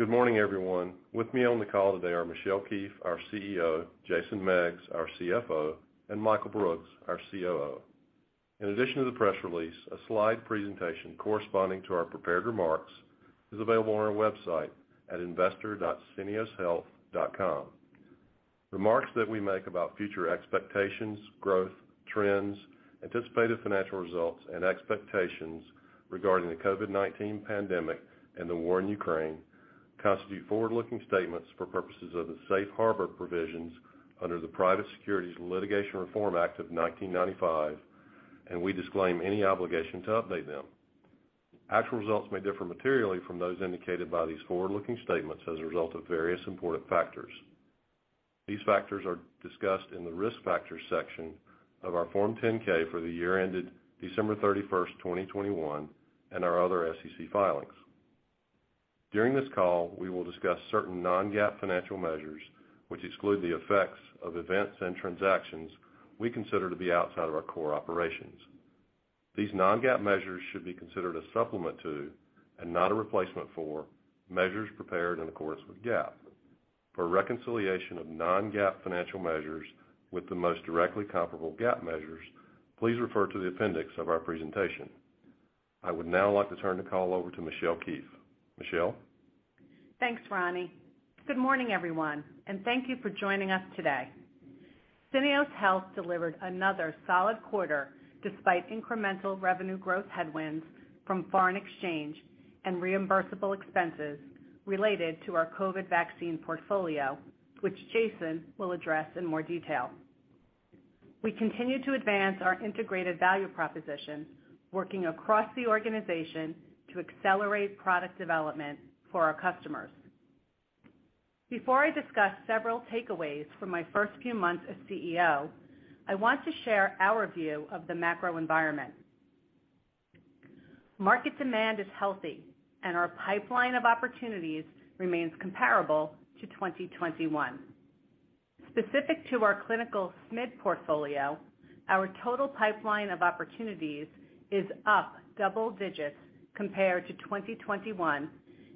Good morning, everyone. With me on the call today are Michelle Keefe, our CEO, Jason Meggs, our CFO, and Michael Brooks, our COO. In addition to the press release, a slide presentation corresponding to our prepared remarks is available on our website at investor.syneoshealth.com. Remarks that we make about future expectations, growth, trends, anticipated financial results, and expectations regarding the COVID-19 pandemic and the war in Ukraine constitute forward-looking statements for purposes of the safe harbor provisions under the Private Securities Litigation Reform Act of 1995, and we disclaim any obligation to update them. Actual results may differ materially from those indicated by these forward-looking statements as a result of various important factors. These factors are discussed in the Risk Factors section of our Form 10-K for the year ended December 31, 2021, and our other SEC filings. During this call, we will discuss certain non-GAAP financial measures which exclude the effects of events and transactions we consider to be outside of our core operations. These non-GAAP measures should be considered a supplement to, and not a replacement for, measures prepared in accordance with GAAP. For a reconciliation of non-GAAP financial measures with the most directly comparable GAAP measures, please refer to the appendix of our presentation. I would now like to turn the call over to Michelle Keefe. Michelle? Thanks, Ronnie. Good morning, everyone, and thank you for joining us today. Syneos Health delivered another solid quarter despite incremental revenue growth headwinds from foreign exchange and reimbursable expenses related to our COVID vaccine portfolio, which Jason will address in more detail. We continue to advance our integrated value proposition, working across the organization to accelerate product development for our customers. Before I discuss several takeaways from my first few months as CEO, I want to share our view of the macro environment. Market demand is healthy and our pipeline of opportunities remains comparable to 2021. Specific to our clinical SMID portfolio, our total pipeline of opportunities is up double digits compared to 2021,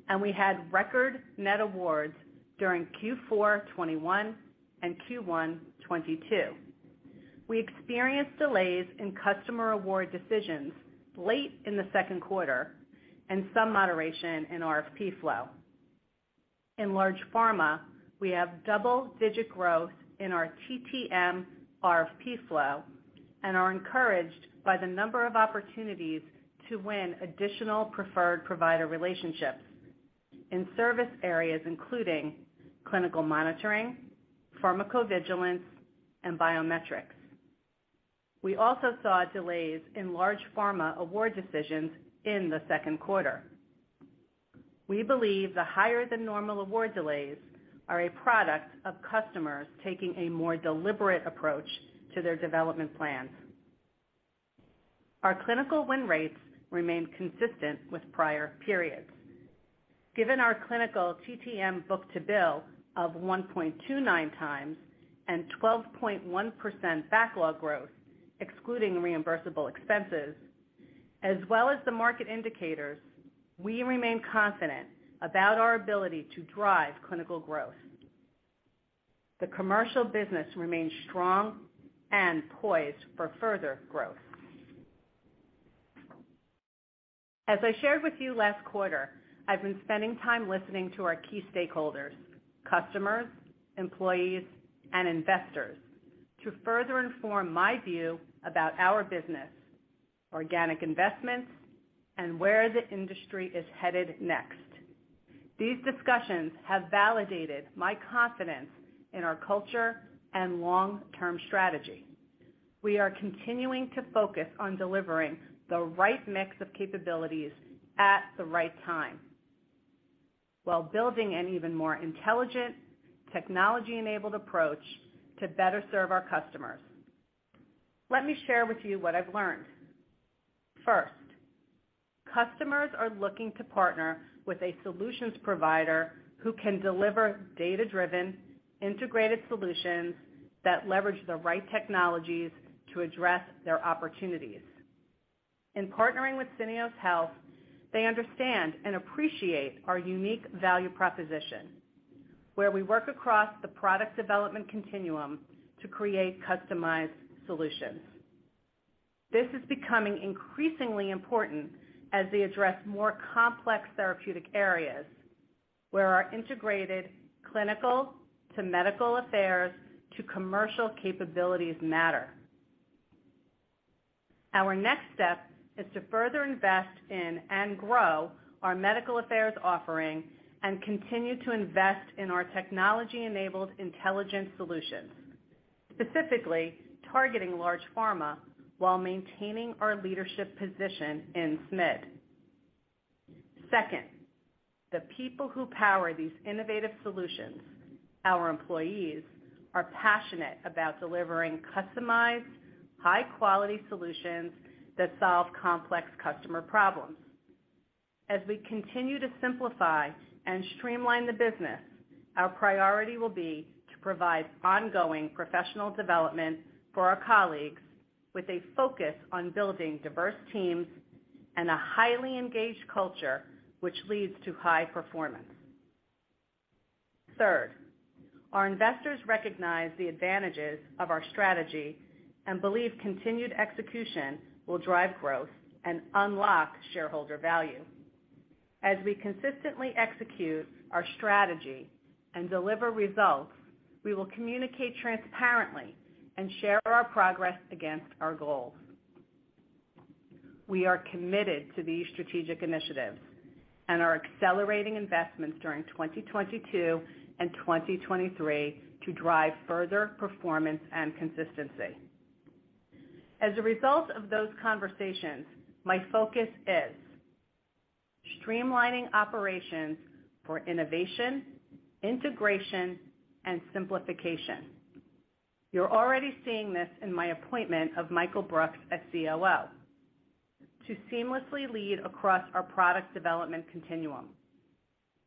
and we had record net awards during Q4 2021 and Q1 2022. We experienced delays in customer award decisions late in the second quarter and some moderation in RFP flow. In large pharma, we have double-digit growth in our TTM RFP flow and are encouraged by the number of opportunities to win additional preferred provider relationships in service areas including clinical monitoring, pharmacovigilance, and biometrics. We also saw delays in large pharma award decisions in the second quarter. We believe the higher than normal award delays are a product of customers taking a more deliberate approach to their development plans. Our clinical win rates remain consistent with prior periods. Given our clinical TTM book-to-bill of 1.29 times and 12.1% backlog growth, excluding reimbursable expenses, as well as the market indicators, we remain confident about our ability to drive clinical growth. The commercial business remains strong and poised for further growth. As I shared with you last quarter, I've been spending time listening to our key stakeholders, customers, employees, and investors to further inform my view about our business, organic investments, and where the industry is headed next. These discussions have validated my confidence in our culture and long-term strategy. We are continuing to focus on delivering the right mix of capabilities at the right time, while building an even more intelligent, technology-enabled approach to better serve our customers. Let me share with you what I've learned. First, customers are looking to partner with a solutions provider who can deliver data-driven integrated solutions that leverage the right technologies to address their opportunities. In partnering with Syneos Health, they understand and appreciate our unique value proposition, where we work across the product development continuum to create customized solutions. This is becoming increasingly important as they address more complex therapeutic areas, where our integrated clinical to medical affairs to commercial capabilities matter. Our next step is to further invest in and grow our medical affairs offering and continue to invest in our technology-enabled intelligent solutions, specifically targeting large pharma while maintaining our leadership position in SMID. Second, the people who power these innovative solutions, our employees, are passionate about delivering customized, high-quality solutions that solve complex customer problems. As we continue to simplify and streamline the business, our priority will be to provide ongoing professional development for our colleagues with a focus on building diverse teams and a highly engaged culture which leads to high performance. Third, our investors recognize the advantages of our strategy and believe continued execution will drive growth and unlock shareholder value. As we consistently execute our strategy and deliver results, we will communicate transparently and share our progress against our goals. We are committed to these strategic initiatives and are accelerating investments during 2022 and 2023 to drive further performance and consistency. As a result of those conversations, my focus is streamlining operations for innovation, integration, and simplification. You're already seeing this in my appointment of Michael Brooks as COO to seamlessly lead across our product development continuum.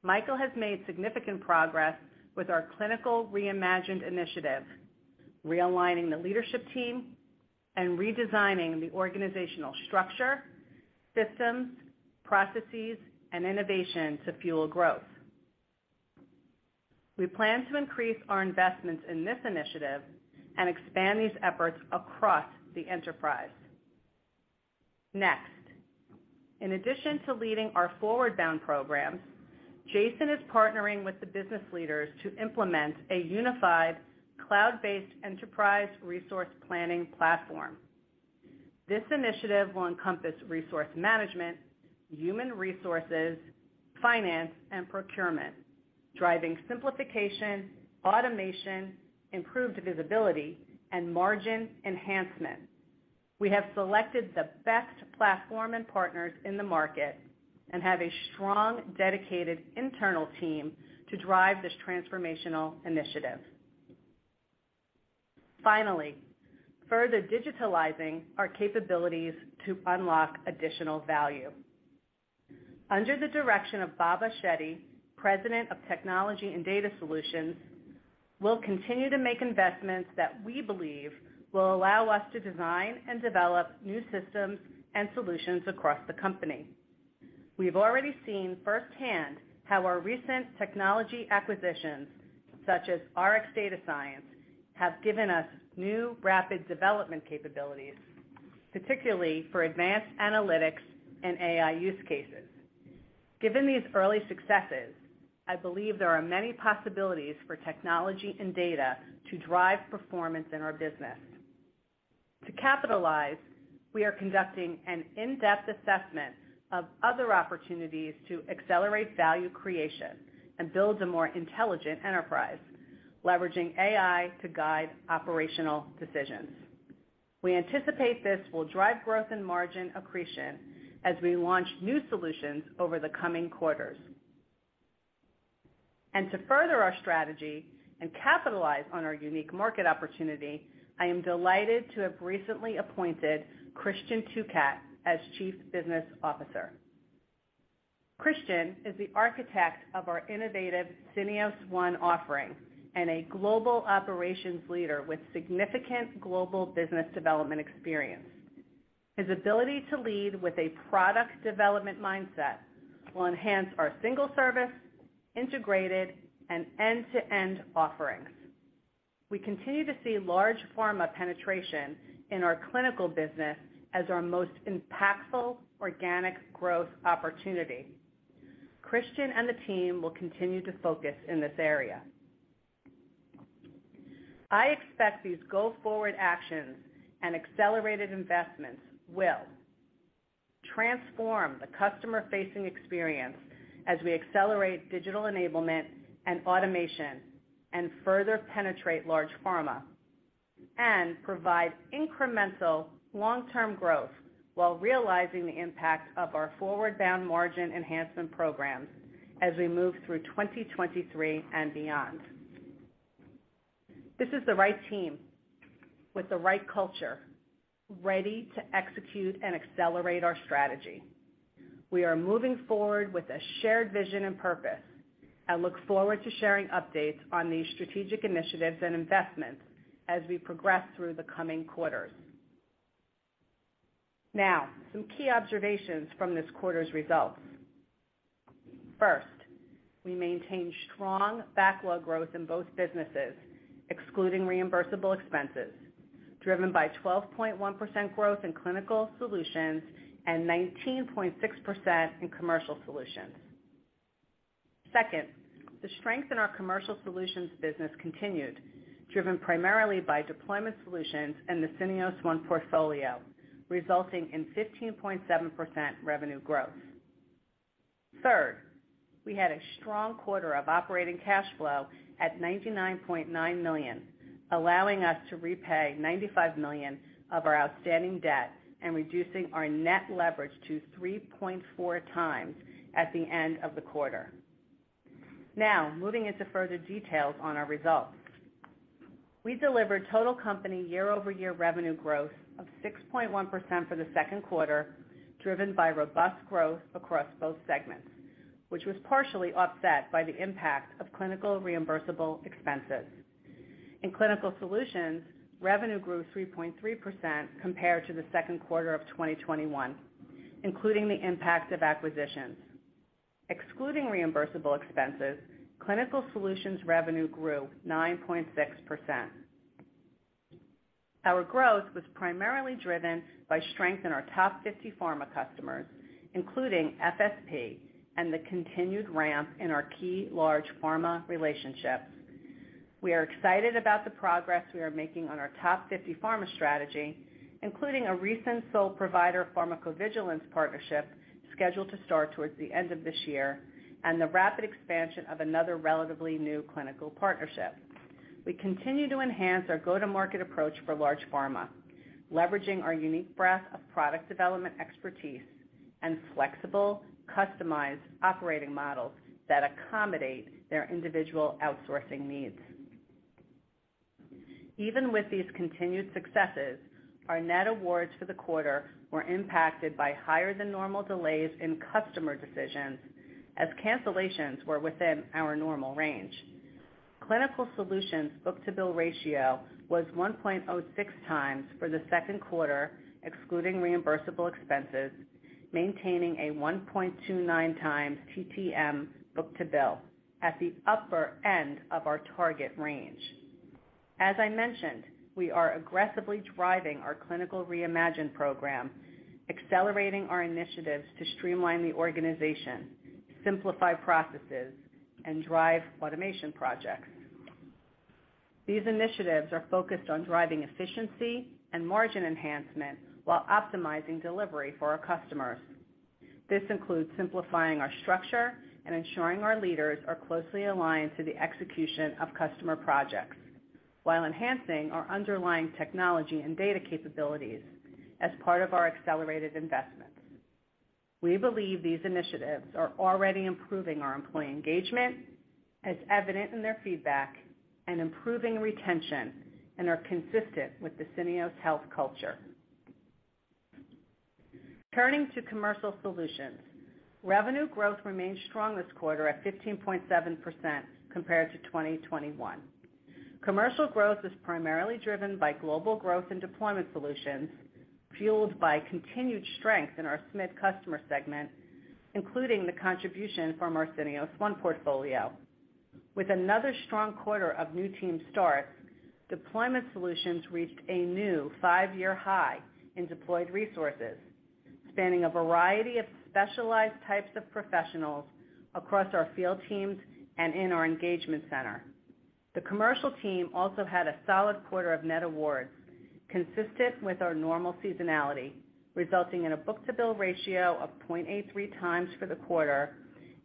Michael has made significant progress with our Clinical Reimagined initiative, realigning the leadership team and redesigning the organizational structure, systems, processes, and innovation to fuel growth. We plan to increase our investments in this initiative and expand these efforts across the enterprise. Next, in addition to leading our ForwardBound programs, Jason Meggs is partnering with the business leaders to implement a unified cloud-based enterprise resource planning platform. This initiative will encompass resource management, human resources, finance, and procurement, driving simplification, automation, improved visibility, and margin enhancement. We have selected the best platform and partners in the market and have a strong, dedicated internal team to drive this transformational initiative. Finally, further digitalizing our capabilities to unlock additional value. Under the direction of Baba Shetty, President of Technology and Data Solutions, we'll continue to make investments that we believe will allow us to design and develop new systems and solutions across the company. We've already seen firsthand how our recent technology acquisitions, such as RxDataScience, have given us new rapid development capabilities, particularly for advanced analytics and AI use cases. Given these early successes, I believe there are many possibilities for technology and data to drive performance in our business. To capitalize, we are conducting an in-depth assessment of other opportunities to accelerate value creation and build a more intelligent enterprise, leveraging AI to guide operational decisions. We anticipate this will drive growth and margin accretion as we launch new solutions over the coming quarters. To further our strategy and capitalize on our unique market opportunity, I am delighted to have recently appointed Christian Tucat as Chief Business Officer. Christian is the architect of our innovative Syneos One offering and a global operations leader with significant global business development experience. His ability to lead with a product development mindset will enhance our single service, integrated, and end-to-end offerings. We continue to see large pharma penetration in our clinical business as our most impactful organic growth opportunity. Christian and the team will continue to focus in this area. I expect these go-forward actions and accelerated investments will transform the customer-facing experience as we accelerate digital enablement and automation and further penetrate large pharma and provide incremental long-term growth while realizing the impact of our ForwardBound margin enhancement programs as we move through 2023 and beyond. This is the right team with the right culture ready to execute and accelerate our strategy. We are moving forward with a shared vision and purpose. I look forward to sharing updates on these strategic initiatives and investments as we progress through the coming quarters. Now, some key observations from this quarter's results. First, we maintained strong backlog growth in both businesses, excluding reimbursable expenses, driven by 12.1% growth in Clinical Solutions and 19.6% in Commercial Solutions. Second, the strength in our Commercial Solutions business continued, driven primarily by Deployment Solutions and the Syneos One portfolio, resulting in 15.7% revenue growth. Third, we had a strong quarter of operating cash flow at $99.9 million, allowing us to repay $95 million of our outstanding debt and reducing our net leverage to 3.4x at the end of the quarter. Now, moving into further details on our results. We delivered total company year-over-year revenue growth of 6.1% for the second quarter, driven by robust growth across both segments, which was partially offset by the impact of clinical reimbursable expenses. In Clinical Solutions, revenue grew 3.3% compared to the second quarter of 2021, including the impact of acquisitions. Excluding reimbursable expenses, Clinical Solutions revenue grew 9.6%. Our growth was primarily driven by strength in our top 50 pharma customers, including FSP and the continued ramp in our key large pharma relationships. We are excited about the progress we are making on our top 50 pharma strategy, including a recent sole provider pharmacovigilance partnership scheduled to start towards the end of this year, and the rapid expansion of another relatively new clinical partnership. We continue to enhance our go-to-market approach for large pharma, leveraging our unique breadth of product development expertise and flexible, customized operating models that accommodate their individual outsourcing needs. Even with these continued successes, our net awards for the quarter were impacted by higher than normal delays in customer decisions as cancellations were within our normal range. Clinical Solutions book-to-bill ratio was 1.06 times for the second quarter, excluding reimbursable expenses, maintaining a 1.29 times TTM book-to-bill at the upper end of our target range. As I mentioned, we are aggressively driving our Clinical Reimagined program, accelerating our initiatives to streamline the organization, simplify processes, and drive automation projects. These initiatives are focused on driving efficiency and margin enhancement while optimizing delivery for our customers. This includes simplifying our structure and ensuring our leaders are closely aligned to the execution of customer projects while enhancing our underlying technology and data capabilities as part of our accelerated investments. We believe these initiatives are already improving our employee engagement as is evident in their feedback and improving retention and are consistent with the Syneos Health culture. Turning to Commercial Solutions. Revenue growth remained strong this quarter at 15.7% compared to 2021. Commercial growth was primarily driven by global growth in Deployment Solutions, fueled by continued strength in our SMID customer segment, including the contribution from our Syneos One portfolio. With another strong quarter of new team starts, Deployment Solutions reached a new five-year high in deployed resources, spanning a variety of specialized types of professionals across our field teams and in our engagement center. The commercial team also had a solid quarter of net awards consistent with our normal seasonality, resulting in a book-to-bill ratio of 0.83 times for the quarter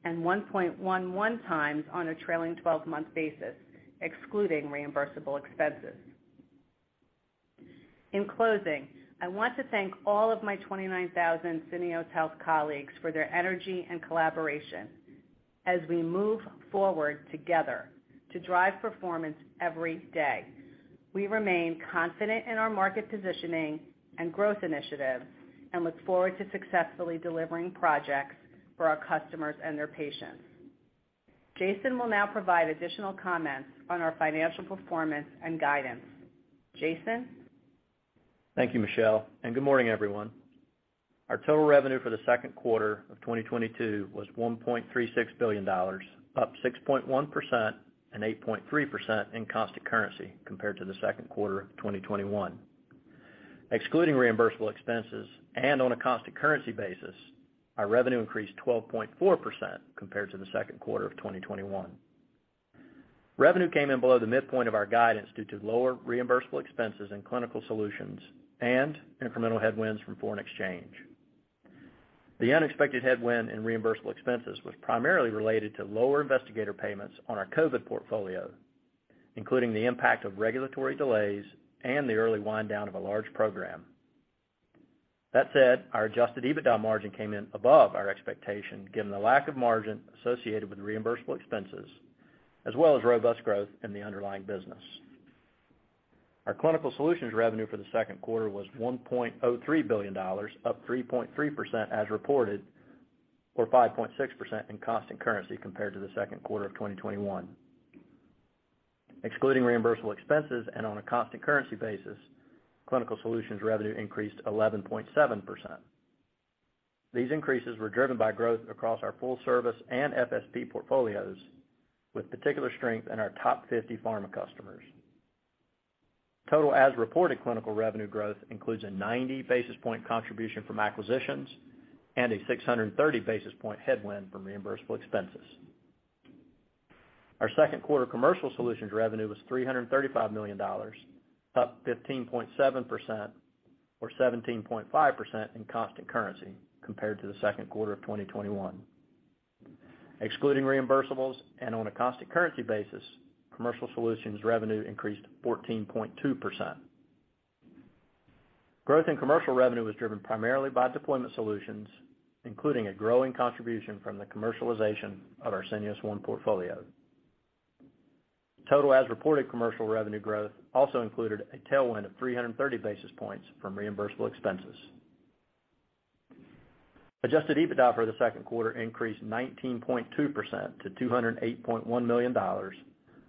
and 1.11 times on a trailing twelve-month basis, excluding reimbursable expenses. In closing, I want to thank all of my 29,000 Syneos Health colleagues for their energy and collaboration as we move forward together to drive performance every day. We remain confident in our market positioning and growth initiatives and look forward to successfully delivering projects for our customers and their patients. Jason will now provide additional comments on our financial performance and guidance. Jason? Thank you, Michelle, and good morning, everyone. Our total revenue for the second quarter of 2022 was $1.36 billion, up 6.1% and 8.3% in constant currency compared to the second quarter of 2021. Excluding reimbursable expenses and on a constant currency basis, our revenue increased 12.4% compared to the second quarter of 2021. Revenue came in below the midpoint of our guidance due to lower reimbursable expenses in Clinical Solutions and incremental headwinds from foreign exchange. The unexpected headwind in reimbursable expenses was primarily related to lower investigator payments on our COVID portfolio, including the impact of regulatory delays and the early wind down of a large program. That said, our adjusted EBITDA margin came in above our expectation, given the lack of margin associated with reimbursable expenses, as well as robust growth in the underlying business. Our Clinical Solutions revenue for the second quarter was $1.3 billion, up 3.3% as reported, or 5.6% in constant currency compared to the second quarter of 2021. Excluding reimbursable expenses and on a constant currency basis, Clinical Solutions revenue increased 11.7%. These increases were driven by growth across our full service and FSP portfolios, with particular strength in our top 50 pharma customers. Total as-reported clinical revenue growth includes a 90 basis point contribution from acquisitions and a 630 basis point headwind from reimbursable expenses. Our second quarter Commercial Solutions revenue was $335 million, up 15.7% or 17.5% in constant currency compared to the second quarter of 2021. Excluding reimbursables and on a constant currency basis, Commercial Solutions revenue increased 14.2%. Growth in commercial revenue was driven primarily by Deployment Solutions, including a growing contribution from the commercialization of our Syneos One portfolio. Total as-reported commercial revenue growth also included a tailwind of 330 basis points from reimbursable expenses. Adjusted EBITDA for the second quarter increased 19.2% to $208.1 million,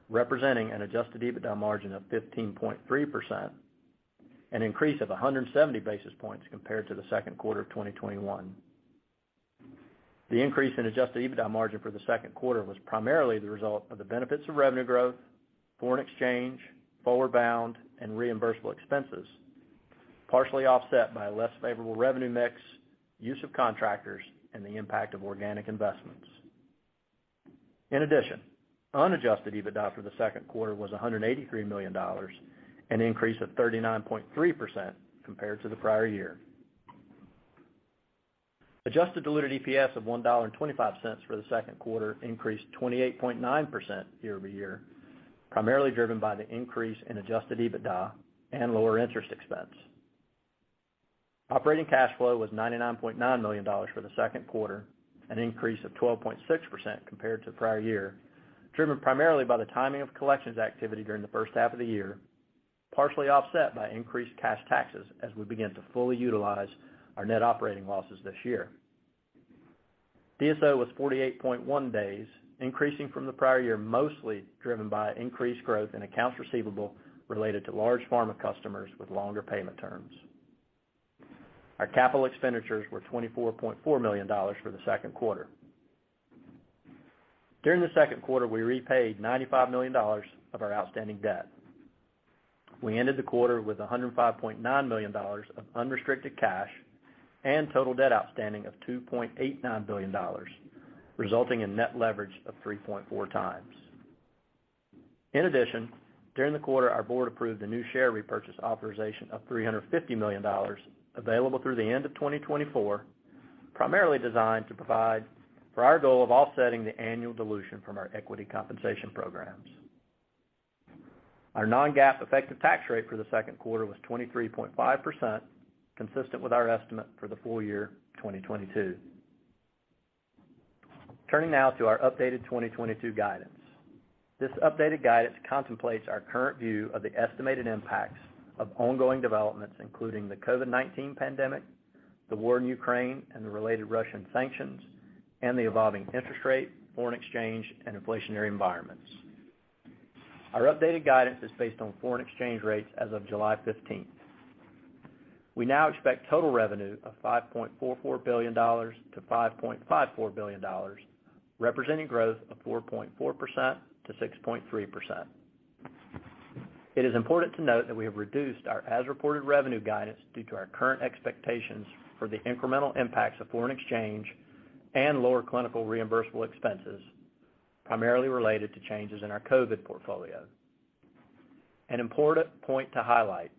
representing an adjusted EBITDA margin of 15.3%, an increase of 170 basis points compared to the second quarter of 2021. The increase in adjusted EBITDA margin for the second quarter was primarily the result of the benefits of revenue growth, foreign exchange, ForwardBound, and reimbursable expenses, partially offset by a less favorable revenue mix, use of contractors, and the impact of organic investments. Unadjusted EBITDA for the second quarter was $183 million, an increase of 39.3% compared to the prior year. Adjusted diluted EPS of $1.25 for the second quarter increased 28.9% year-over-year, primarily driven by the increase in adjusted EBITDA and lower interest expense. Operating cash flow was $99.9 million for the second quarter, an increase of 12.6% compared to the prior year, driven primarily by the timing of collections activity during the first half of the year, partially offset by increased cash taxes as we begin to fully utilize our net operating losses this year. DSO was 48.1 days, increasing from the prior year, mostly driven by increased growth in accounts receivable related to large pharma customers with longer payment terms. Our capital expenditures were $24.4 million for the second quarter. During the second quarter, we repaid $95 million of our outstanding debt. We ended the quarter with $105.9 million of unrestricted cash and total debt outstanding of $2.89 billion, resulting in net leverage of 3.4x. In addition, during the quarter, our board approved a new share repurchase authorization of $350 million available through the end of 2024, primarily designed to provide for our goal of offsetting the annual dilution from our equity compensation programs. Our non-GAAP effective tax rate for the second quarter was 23.5%, consistent with our estimate for the full year 2022. Turning now to our updated 2022 guidance. This updated guidance contemplates our current view of the estimated impacts of ongoing developments, including the COVID-19 pandemic, the war in Ukraine and the related Russian sanctions, and the evolving interest rate, foreign exchange, and inflationary environments. Our updated guidance is based on foreign exchange rates as of July 15. We now expect total revenue of $5.44 billion-$5.54 billion, representing growth of 4.4%-6.3%. It is important to note that we have reduced our as-reported revenue guidance due to our current expectations for the incremental impacts of foreign exchange and lower clinical reimbursable expenses, primarily related to changes in our COVID portfolio. An important point to highlight,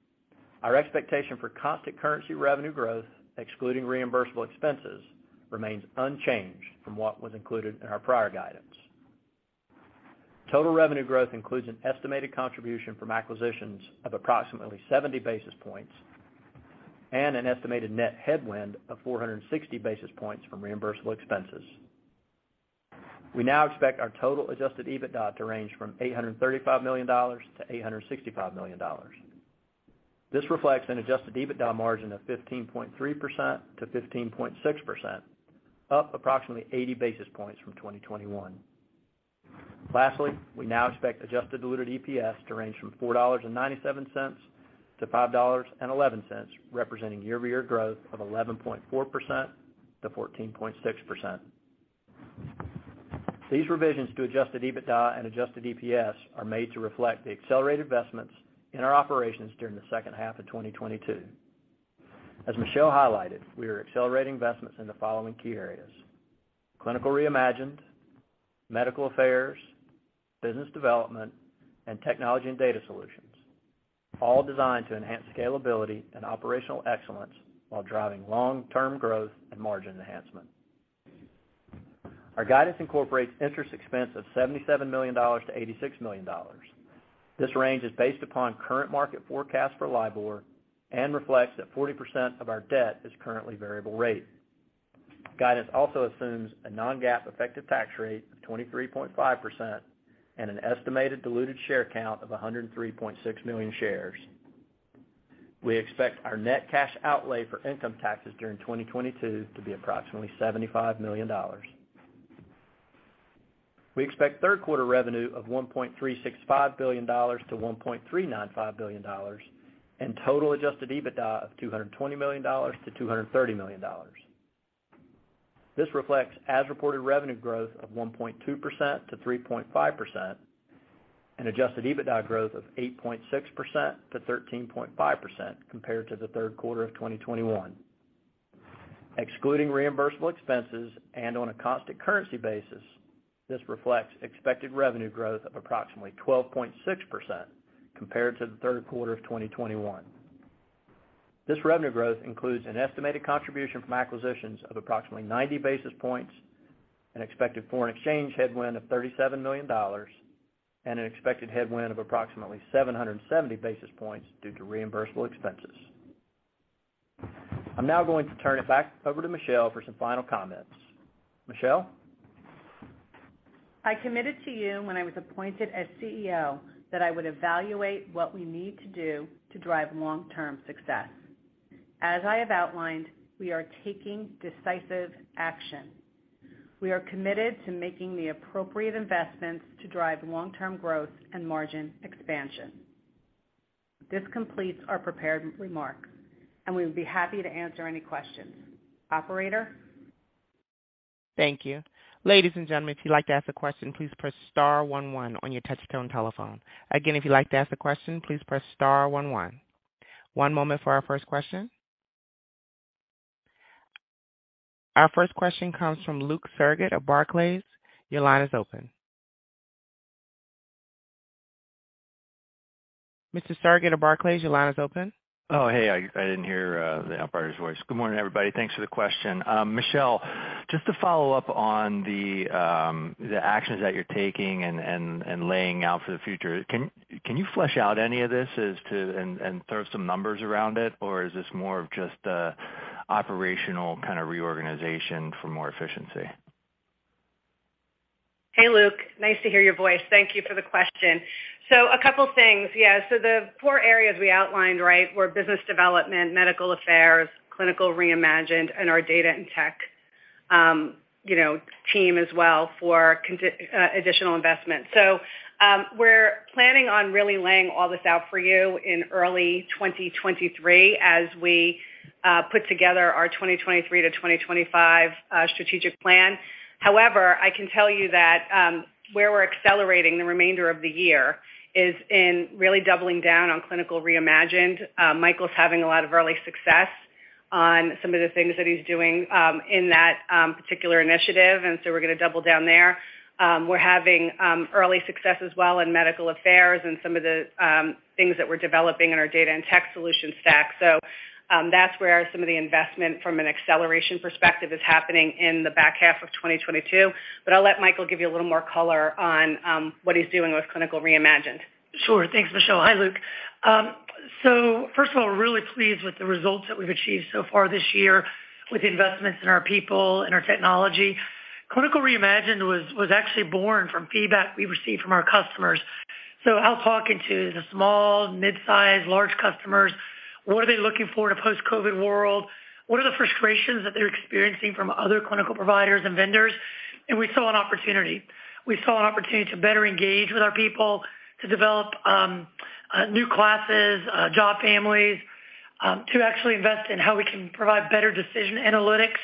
our expectation for constant currency revenue growth, excluding reimbursable expenses, remains unchanged from what was included in our prior guidance. Total revenue growth includes an estimated contribution from acquisitions of approximately 70 basis points and an estimated net headwind of 460 basis points from reimbursable expenses. We now expect our total adjusted EBITDA to range from $835 million-$865 million. This reflects an adjusted EBITDA margin of 15.3%-15.6%, up approximately 80 basis points from 2021. Lastly, we now expect adjusted diluted EPS to range from $4.97 to $5.11, representing year-over-year growth of 11.4%-14.6%. These revisions to adjusted EBITDA and adjusted EPS are made to reflect the accelerated investments in our operations during the second half of 2022. As Michelle highlighted, we are accelerating investments in the following key areas, Clinical Reimagined, Medical Affairs, business development, and Technology and Data Solutions, all designed to enhance scalability and operational excellence while driving long-term growth and margin enhancement. Our guidance incorporates interest expense of $77 million-$86 million. This range is based upon current market forecast for LIBOR and reflects that 40% of our debt is currently variable rate. Guidance also assumes a non-GAAP effective tax rate of 23.5% and an estimated diluted share count of 103.6 million shares. We expect our net cash outlay for income taxes during 2022 to be approximately $75 million. We expect third quarter revenue of $1.365 billion-$1.395 billion and total adjusted EBITDA of $220 million-$230 million. This reflects as-reported revenue growth of 1.2%-3.5% and adjusted EBITDA growth of 8.6%-13.5% compared to the third quarter of 2021. Excluding reimbursable expenses and on a constant currency basis, this reflects expected revenue growth of approximately 12.6% compared to the third quarter of 2021. This revenue growth includes an estimated contribution from acquisitions of approximately 90 basis points. An expected foreign exchange headwind of $37 million and an expected headwind of approximately 770 basis points due to reimbursable expenses. I'm now going to turn it back over to Michelle for some final comments. Michelle? I committed to you when I was appointed as CEO that I would evaluate what we need to do to drive long-term success. As I have outlined, we are taking decisive action. We are committed to making the appropriate investments to drive long-term growth and margin expansion. This completes our prepared remarks, and we would be happy to answer any questions. Operator? Thank you. Ladies and gentlemen, if you'd like to ask a question, please press star 1 1 on your touch-tone telephone. Again, if you'd like to ask a question, please press star 1 1. One moment for our first question. Our first question comes from Luke Sergott of Barclays. Your line is open. Mr. Sergott of Barclays, your line is open. Oh, hey. I didn't hear the operator's voice. Good morning, everybody. Thanks for the question. Michelle, just to follow up on the actions that you're taking and laying out for the future, can you flesh out any of this as to and throw some numbers around it, or is this more of just a operational kind of reorganization for more efficiency? Hey, Luke. Nice to hear your voice. Thank you for the question. A couple things. Yeah, the four areas we outlined, right, were business development, medical affairs, Clinical Reimagined, and our data and tech team as well for additional investment. We're planning on really laying all this out for you in early 2023 as we put together our 2023 to 2025 strategic plan. However, I can tell you that, where we're accelerating the remainder of the year is in really doubling down on Clinical Reimagined. Michael's having a lot of early success on some of the things that he's doing in that particular initiative, and so we're gonna double down there. We're having early success as well in medical affairs and some of the things that we're developing in our data and tech solution stack. That's where some of the investment from an acceleration perspective is happening in the back half of 2022. I'll let Michael give you a little more color on what he's doing with Clinical Reimagined. Sure. Thanks, Michelle. Hi, Luke. First of all, we're really pleased with the results that we've achieved so far this year with the investments in our people and our technology. Clinical Reimagined was actually born from feedback we received from our customers. Out talking to the small, mid-size, large customers, what are they looking for in a post-COVID world? What are the frustrations that they're experiencing from other clinical providers and vendors? We saw an opportunity to better engage with our people, to develop new classes, job families, to actually invest in how we can provide better decision analytics,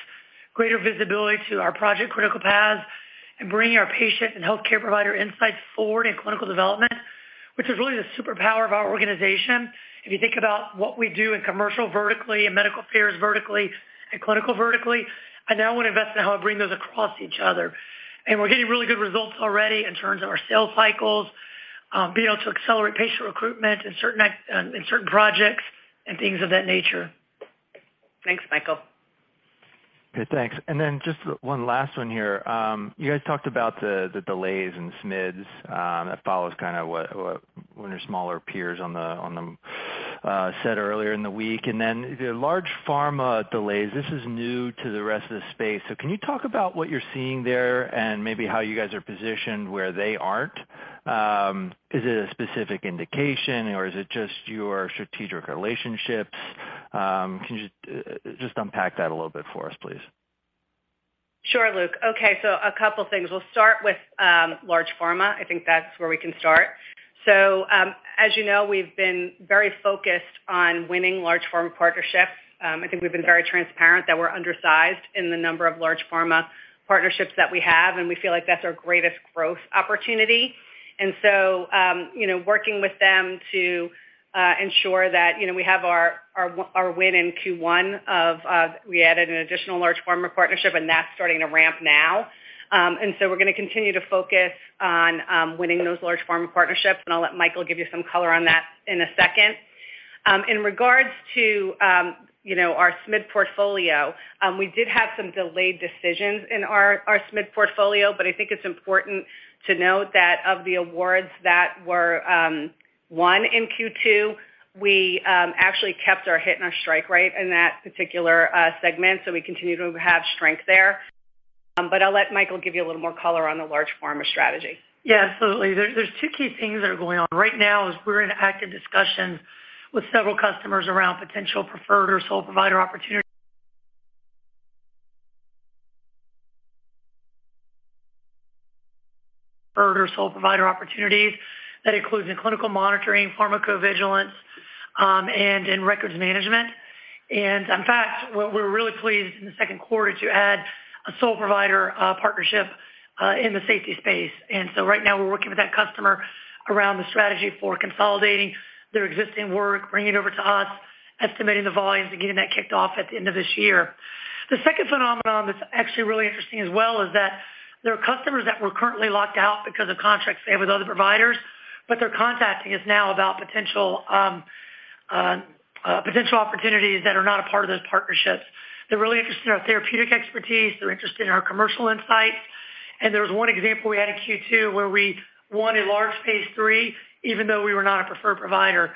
greater visibility to our project critical paths, and bringing our patient and healthcare provider insights forward in clinical development, which is really the superpower of our organization. If you think about what we do in commercial vertical, in medical affairs vertical, and clinical vertical, I now want to invest in how I bring those across each other. We're getting really good results already in terms of our sales cycles, being able to accelerate patient recruitment in certain projects and things of that nature. Thanks, Michael. Okay, thanks. Then just one last one here. You guys talked about the delays in SMIDs that follows kind of what one of your smaller peers said earlier in the week. Then the large pharma delays, this is new to the rest of the space. Can you talk about what you're seeing there and maybe how you guys are positioned where they aren't? Is it a specific indication or is it just your strategic relationships? Can you just unpack that a little bit for us, please? Sure, Luke. Okay, a couple things. We'll start with large pharma. I think that's where we can start. As you know, we've been very focused on winning large pharma partnerships. I think we've been very transparent that we're undersized in the number of large pharma partnerships that we have, and we feel like that's our greatest growth opportunity. Working with them to ensure that we have our win in Q1 we added an additional large pharma partnership, and that's starting to ramp now. We're gonna continue to focus on winning those large pharma partnerships, and I'll let Michael give you some color on that in a second. In regards to, you know, our SMID portfolio, we did have some delayed decisions in our SMID portfolio, but I think it's important to note that of the awards that were won in Q2, we actually kept our hit rate and strike rate in that particular segment, so we continue to have strength there. I'll let Michael give you a little more color on the large pharma strategy. Yeah, absolutely. There's two key things that are going on. Right now we're in active discussions with several customers around potential preferred or sole provider opportunities. That includes in clinical monitoring, pharmacovigilance, and in records management. In fact, we're really pleased in the second quarter to add a sole provider partnership in the safety space. Right now we're working with that customer around the strategy for consolidating their existing work, bringing it over to us, estimating the volumes, and getting that kicked off at the end of this year. The second phenomenon that's actually really interesting as well is that there are customers that were currently locked out because of contracts they have with other providers, but they're contacting us now about potential opportunities that are not a part of those partnerships. They're really interested in our therapeutic expertise. They're interested in our commercial insights. There was one example we had in Q2 where we won a large phase three, even though we were not a preferred provider,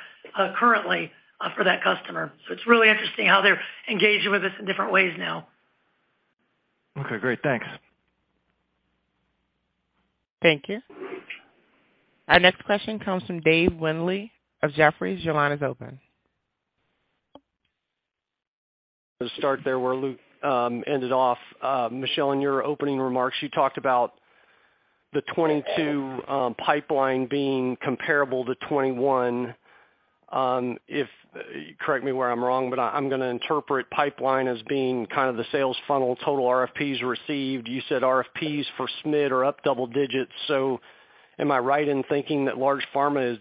currently, for that customer. It's really interesting how they're engaging with us in different ways now. Okay, great. Thanks. Thank you. Our next question comes from David Windley of Jefferies. Your line is open. To start there where Luke ended off. Michelle, in your opening remarks, you talked about the 2022 pipeline being comparable to 2021. Correct me where I'm wrong, but I'm gonna interpret pipeline as being kind of the sales funnel, total RFPs received. You said RFPs for SMID are up double digits. So am I right in thinking that large pharma is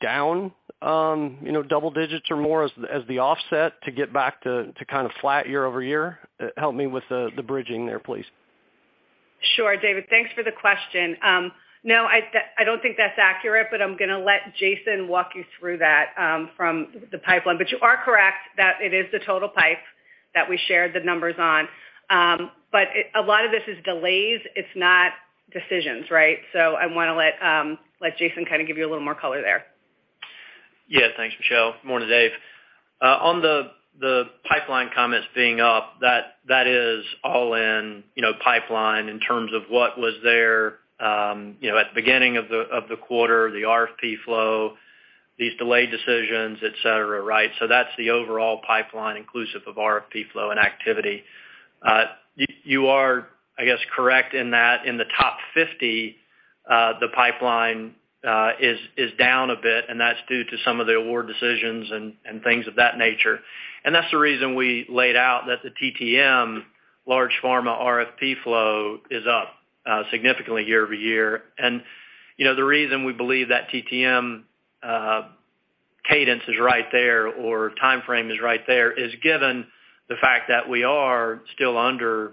down, you know, double digits or more as the offset to get back to kind of flat year-over-year? Help me with the bridging there, please. Sure, David. Thanks for the question. No, I don't think that's accurate, but I'm gonna let Jason walk you through that from the pipeline. You are correct that it is the total pipeline that we shared the numbers on. A lot of this is delays. It's not decisions, right? I wanna let Jason kind of give you a little more color there. Yeah, thanks, Michelle. Morning, Dave. On the pipeline comments being up, that is all in pipeline in terms of what was there, you know, at the beginning of the quarter, the RFP flow, these delayed decisions, et cetera, right? That's the overall pipeline inclusive of RFP flow and activity. You are, I guess, correct in that in the top fifty, the pipeline is down a bit, and that's due to some of the award decisions and things of that nature. That's the reason we laid out that the TTM large pharma RFP flow is up significantly year-over-year. You know, the reason we believe that TTM cadence is right there or timeframe is right there is given the fact that we are still under,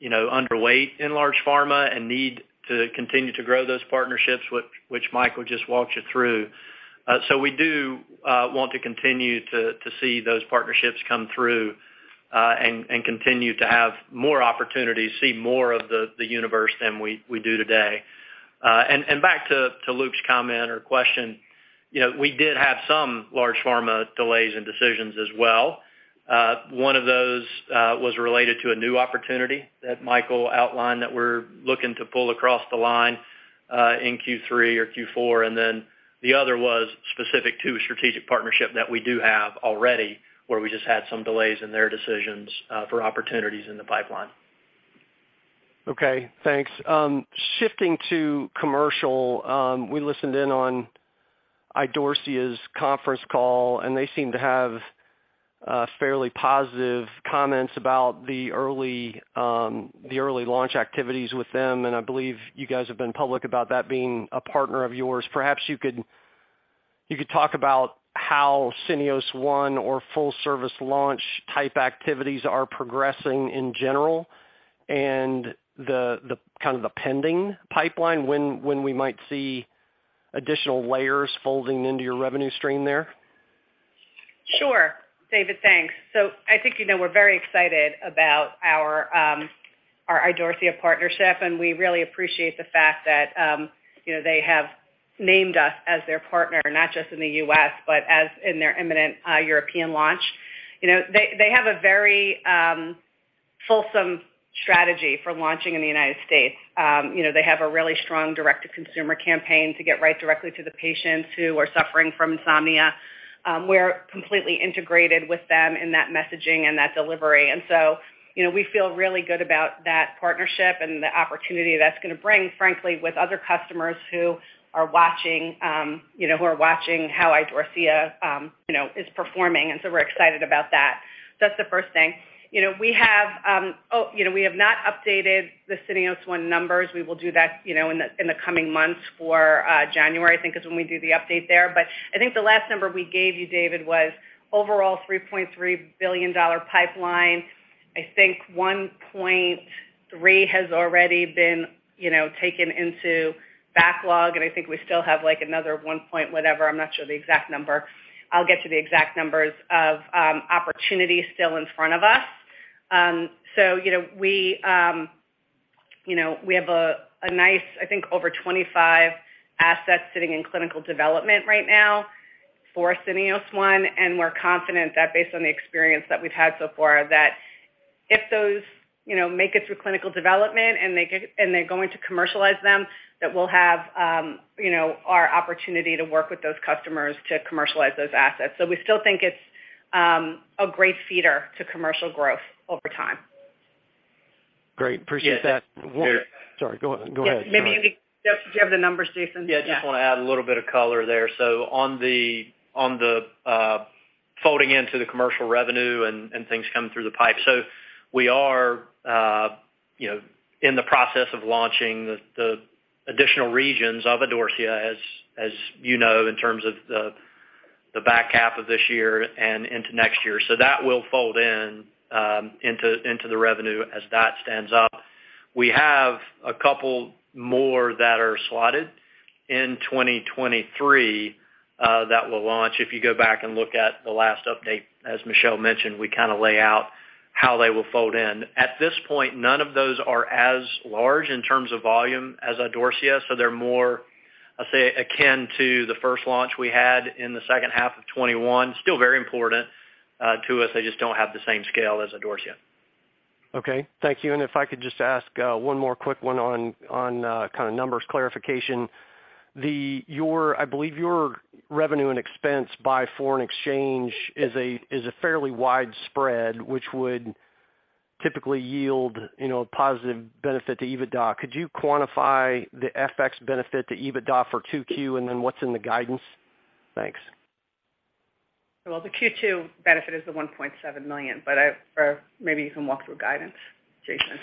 you know, underweight in large pharma and need to continue to grow those partnerships, which Michael just walked you through. We do want to continue to see those partnerships come through, and continue to have more opportunities, see more of the universe than we do today. Back to Luke's comment or question, you know, we did have some large pharma delays in decisions as well. One of those was related to a new opportunity that Michael outlined that we're looking to pull across the line in Q3 or Q4. The other was specific to a strategic partnership that we do have already, where we just had some delays in their decisions, for opportunities in the pipeline. Okay, thanks. Shifting to commercial, we listened in on Idorsia's conference call, and they seem to have fairly positive comments about the early launch activities with them. I believe you guys have been public about that being a partner of yours. Perhaps you could talk about how Syneos One or full service launch type activities are progressing in general and the kind of pending pipeline, when we might see additional layers folding into your revenue stream there. Sure. David, thanks. I think you know we're very excited about our Idorsia partnership, and we really appreciate the fact that, you know, they have named us as their partner, not just in the U.S., but as in their imminent European launch. You know, they have a very fulsome strategy for launching in the United States. You know, they have a really strong direct-to-consumer campaign to get right directly to the patients who are suffering from insomnia. We're completely integrated with them in that messaging and that delivery. You know, we feel really good about that partnership and the opportunity that's gonna bring, frankly, with other customers who are watching how Idorsia, you know, is performing. We're excited about that. That's the first thing. You know, we have. Oh, you know, we have not updated the Syneos One numbers. We will do that, you know, in the coming months for January, I think, is when we do the update there. I think the last number we gave you, David, was overall $3.3 billion pipeline. I think $1.3 has already been, you know, taken into backlog. I think we still have, like, another one point whatever. I'm not sure the exact number. I'll get to the exact numbers of opportunities still in front of us. You know, we have a nice, I think, over 25 assets sitting in clinical development right now for Syneos One, and we're confident that based on the experience that we've had so far, that if those, you know, make it through clinical development and they're going to commercialize them, that we'll have, you know, our opportunity to work with those customers to commercialize those assets. We still think it's a great feeder to commercial growth over time. Great. Appreciate that. Yeah. Sorry, go ahead. Yeah. Maybe do you have the numbers, Jason? Yeah. Yeah. Just want to add a little bit of color there. On the folding into the commercial revenue and things coming through the pipe. We are, you know, in the process of launching the additional regions of Idorsia, as you know, in terms of the back half of this year and into next year. That will fold into the revenue as that stands up. We have a couple more that are slotted in 2023 that will launch. If you go back and look at the last update, as Michelle mentioned, we kinda lay out how they will fold in. At this point, none of those are as large in terms of volume as Idorsia, so they're more, I'd say, akin to the first launch we had in the second half of 2021. Still very important to us. They just don't have the same scale as Idorsia. Okay. Thank you. If I could just ask one more quick one on kinda numbers clarification. Your revenue and expense by foreign exchange is a fairly wide spread, which would typically yield, you know, positive benefit to EBITDA. Could you quantify the FX benefit to EBITDA for 2Q, and then what's in the guidance? Thanks. Well, the Q2 benefit is the $1.7 million, or maybe you can walk through guidance, Jason.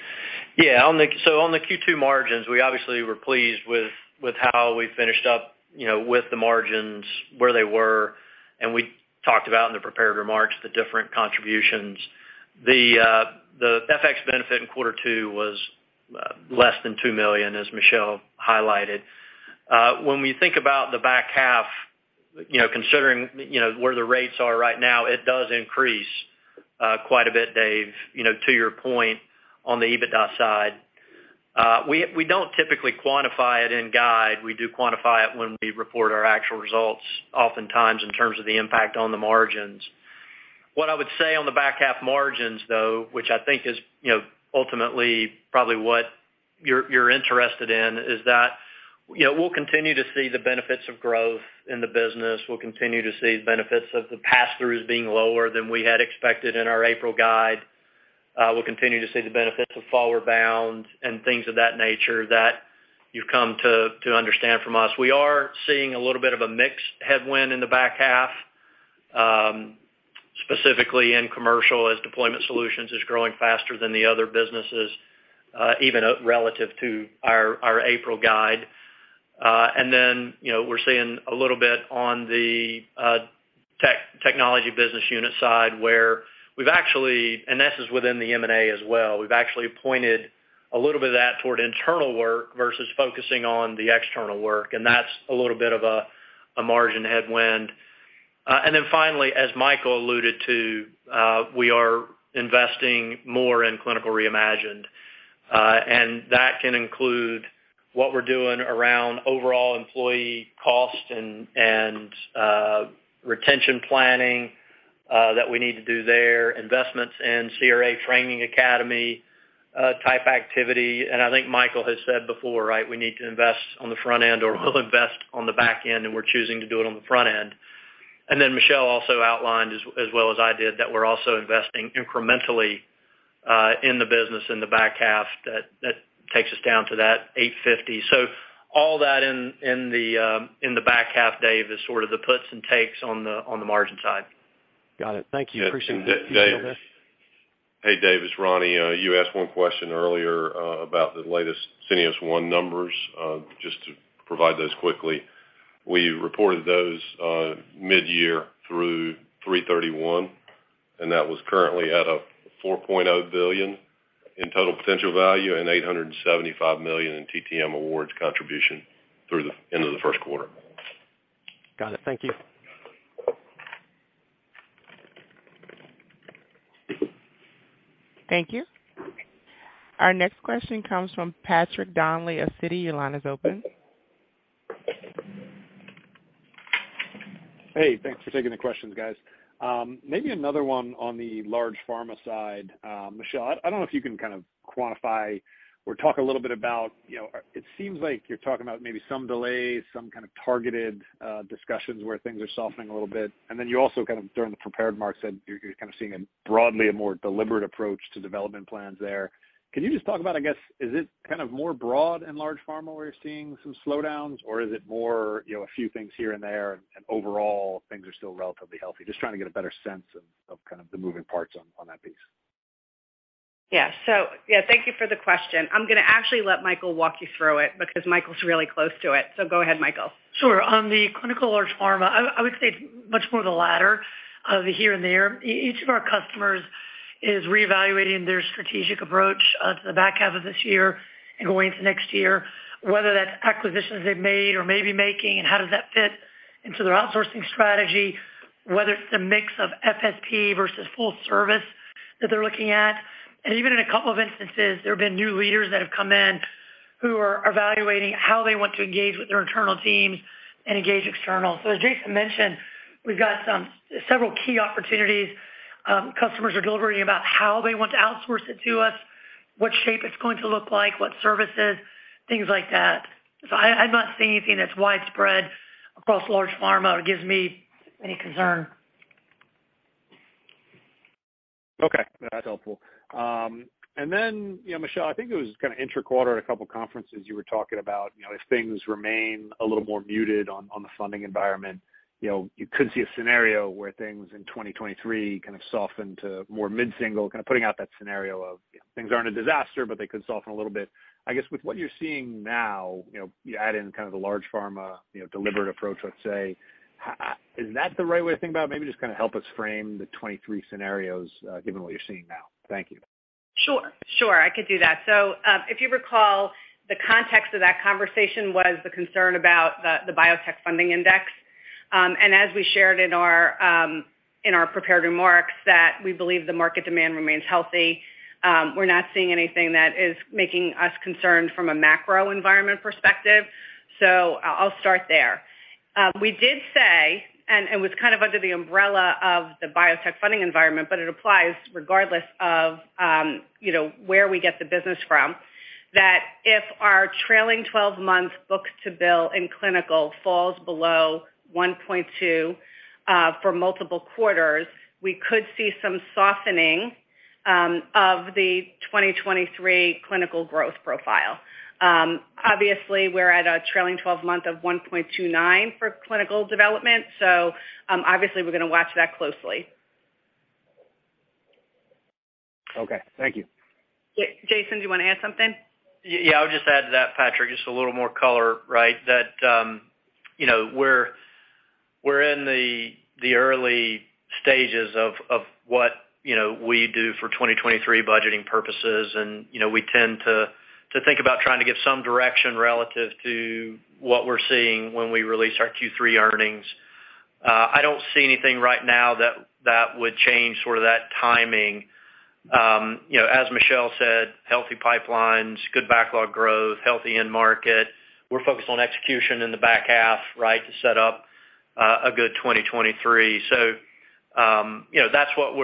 Yeah. On the Q2 margins, we obviously were pleased with how we finished up, you know, with the margins, where they were, and we talked about in the prepared remarks the different contributions. The FX benefit in quarter two was less than $2 million, as Michelle highlighted. When we think about the back half, you know, considering, you know, where the rates are right now, it does increase quite a bit, Dave, you know, to your point on the EBITDA side. We don't typically quantify it in guide. We do quantify it when we report our actual results, oftentimes in terms of the impact on the margins. What I would say on the back half margins, though, which I think is, you know, ultimately probably what you're interested in is that, you know, we'll continue to see the benefits of growth in the business. We'll continue to see the benefits of the pass-throughs being lower than we had expected in our April guide. We'll continue to see the benefits of ForwardBound and things of that nature that you've come to understand from us. We are seeing a little bit of a mix headwind in the back half, specifically in commercial as Deployment Solutions is growing faster than the other businesses, even relative to our April guide. You know, we're seeing a little bit on the technology business unit side where we've actually, and this is within the M&A as well, we've actually pointed a little bit of that toward internal work versus focusing on the external work, and that's a little bit of a margin headwind. Finally, as Michael alluded to, we are investing more in Clinical Reimagined, and that can include what we're doing around overall employee cost and retention planning that we need to do there, investments in CRA training academy type activity. I think Michael has said before, right, we need to invest on the front end or we'll invest on the back end, and we're choosing to do it on the front end. Then Michelle also outlined, as well as I did, that we're also investing incrementally in the business in the back half. That takes us down to that 8.50%. All that in the back half, Dave, is sort of the puts and takes on the margin side. Got it. Thank you. Appreciate it. Dave. Hey, Dave, it's Ronnie. You asked one question earlier about the latest Syneos One numbers. Just to provide those quickly, we reported those mid-year through 3/31, and that was currently at a $4.0 billion in total potential value and $875 million in TTM awards contribution through the end of the first quarter. Got it. Thank you. Thank you. Our next question comes from Patrick Donnelly of Citi. Your line is open. Hey, thanks for taking the questions, guys. Maybe another one on the large pharma side. Michelle, I don't know if you can kind of quantify or talk a little bit about, you know, it seems like you're talking about maybe some delays, some kind of targeted discussions where things are softening a little bit. You also kind of, during the prepared remarks said you're kind of seeing a broadly a more deliberate approach to development plans there. Can you just talk about, I guess, is it kind of more broad and large pharma where you're seeing some slowdowns, or is it more, you know, a few things here and there and overall things are still relatively healthy? Just trying to get a better sense of kind of the moving parts on that piece. Yeah. Yeah, thank you for the question. I'm gonna actually let Michael walk you through it because Michael's really close to it. Go ahead, Michael. Sure. On the clinical large pharma, I would say it's much more the latter of here and there. Each of our customers is reevaluating their strategic approach to the back half of this year and going into next year, whether that's acquisitions they've made or may be making and how does that fit into their outsourcing strategy, whether it's the mix of FSP versus full service that they're looking at. Even in a couple of instances, there have been new leaders that have come in who are evaluating how they want to engage with their internal teams and engage external. As Jason mentioned, we've got several key opportunities. Customers are deliberating about how they want to outsource it to us, what shape it's going to look like, what services, things like that. I'm not seeing anything that's widespread across large pharma that gives me any concern. Okay. That's helpful. And then, you know, Michelle, I think it was kinda intra-quarter at a couple conferences you were talking about, you know, if things remain a little more muted on the funding environment, you know, you could see a scenario where things in 2023 kind of soften to more mid-single, kind of putting out that scenario of things aren't a disaster, but they could soften a little bit. I guess with what you're seeing now, you know, you add in kind of the large pharma, you know, deliberate approach, let's say, how is that the right way to think about it? Maybe just kinda help us frame the 2023 scenarios, given what you're seeing now. Thank you. Sure, I could do that. If you recall, the context of that conversation was the concern about the biotech funding index. We shared in our prepared remarks that we believe the market demand remains healthy. We're not seeing anything that is making us concerned from a macro environment perspective. I'll start there. We did say, and it was kind of under the umbrella of the biotech funding environment, but it applies regardless of, you know, where we get the business from, that if our trailing twelve-month book-to-bill in clinical falls below 1.2 for multiple quarters, we could see some softening of the 2023 clinical growth profile. Obviously, we're at a trailing twelve-month of 1.29 for clinical development, so obviously we're gonna watch that closely. Okay, thank you. Jason, do you wanna add something? Yeah, I'll just add to that, Patrick, just a little more color, right? That, you know, we're in the early stages of what, you know, we do for 2023 budgeting purposes. You know, we tend to think about trying to give some direction relative to what we're seeing when we release our Q3 earnings. I don't see anything right now that would change sort of that timing. You know, as Michelle said, healthy pipelines, good backlog growth, healthy end market. We're focused on execution in the back half, right, to set up a good 2023. You know, that's what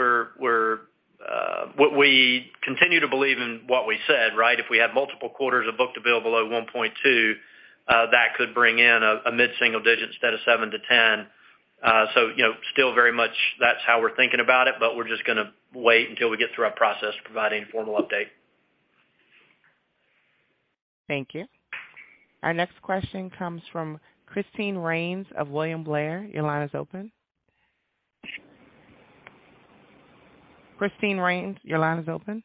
we continue to believe in what we said, right? If we have multiple quarters of book-to-bill below 1.2, that could bring in a mid-single digit instead of 7%-10%. You know, still very much that's how we're thinking about it, but we're just gonna wait until we get through our process to provide any formal update. Thank you. Our next question comes from Justin Bowers of William Blair. Your line is open. Justin Bowers, your line is open.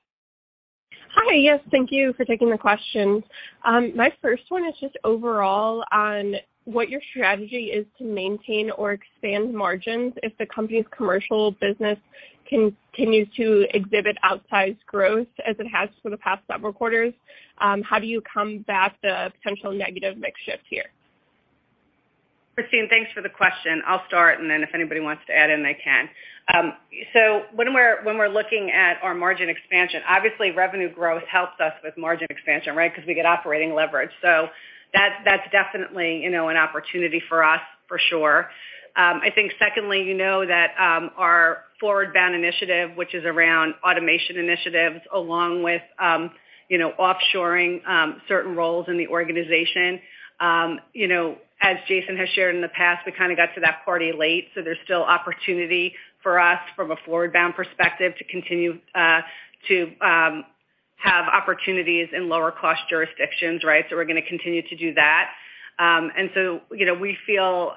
Hi. Yes, thank you for taking the questions. My first one is just overall on what your strategy is to maintain or expand margins if the company's commercial business continues to exhibit outsized growth as it has for the past several quarters. How do you combat the potential negative mix shift here? Christine, thanks for the question. I'll start, and then if anybody wants to add in, they can. When we're looking at our margin expansion, obviously revenue growth helps us with margin expansion, right? 'Cause we get operating leverage. That's definitely, you know, an opportunity for us for sure. I think secondly, you know that our ForwardBound initiative, which is around automation initiatives, along with, you know, offshoring certain roles in the organization. You know, as Jason has shared in the past, we kinda got to that party late, so there's still opportunity for us from a ForwardBound perspective to continue to have opportunities in lower cost jurisdictions, right? We're gonna continue to do that. You know, we feel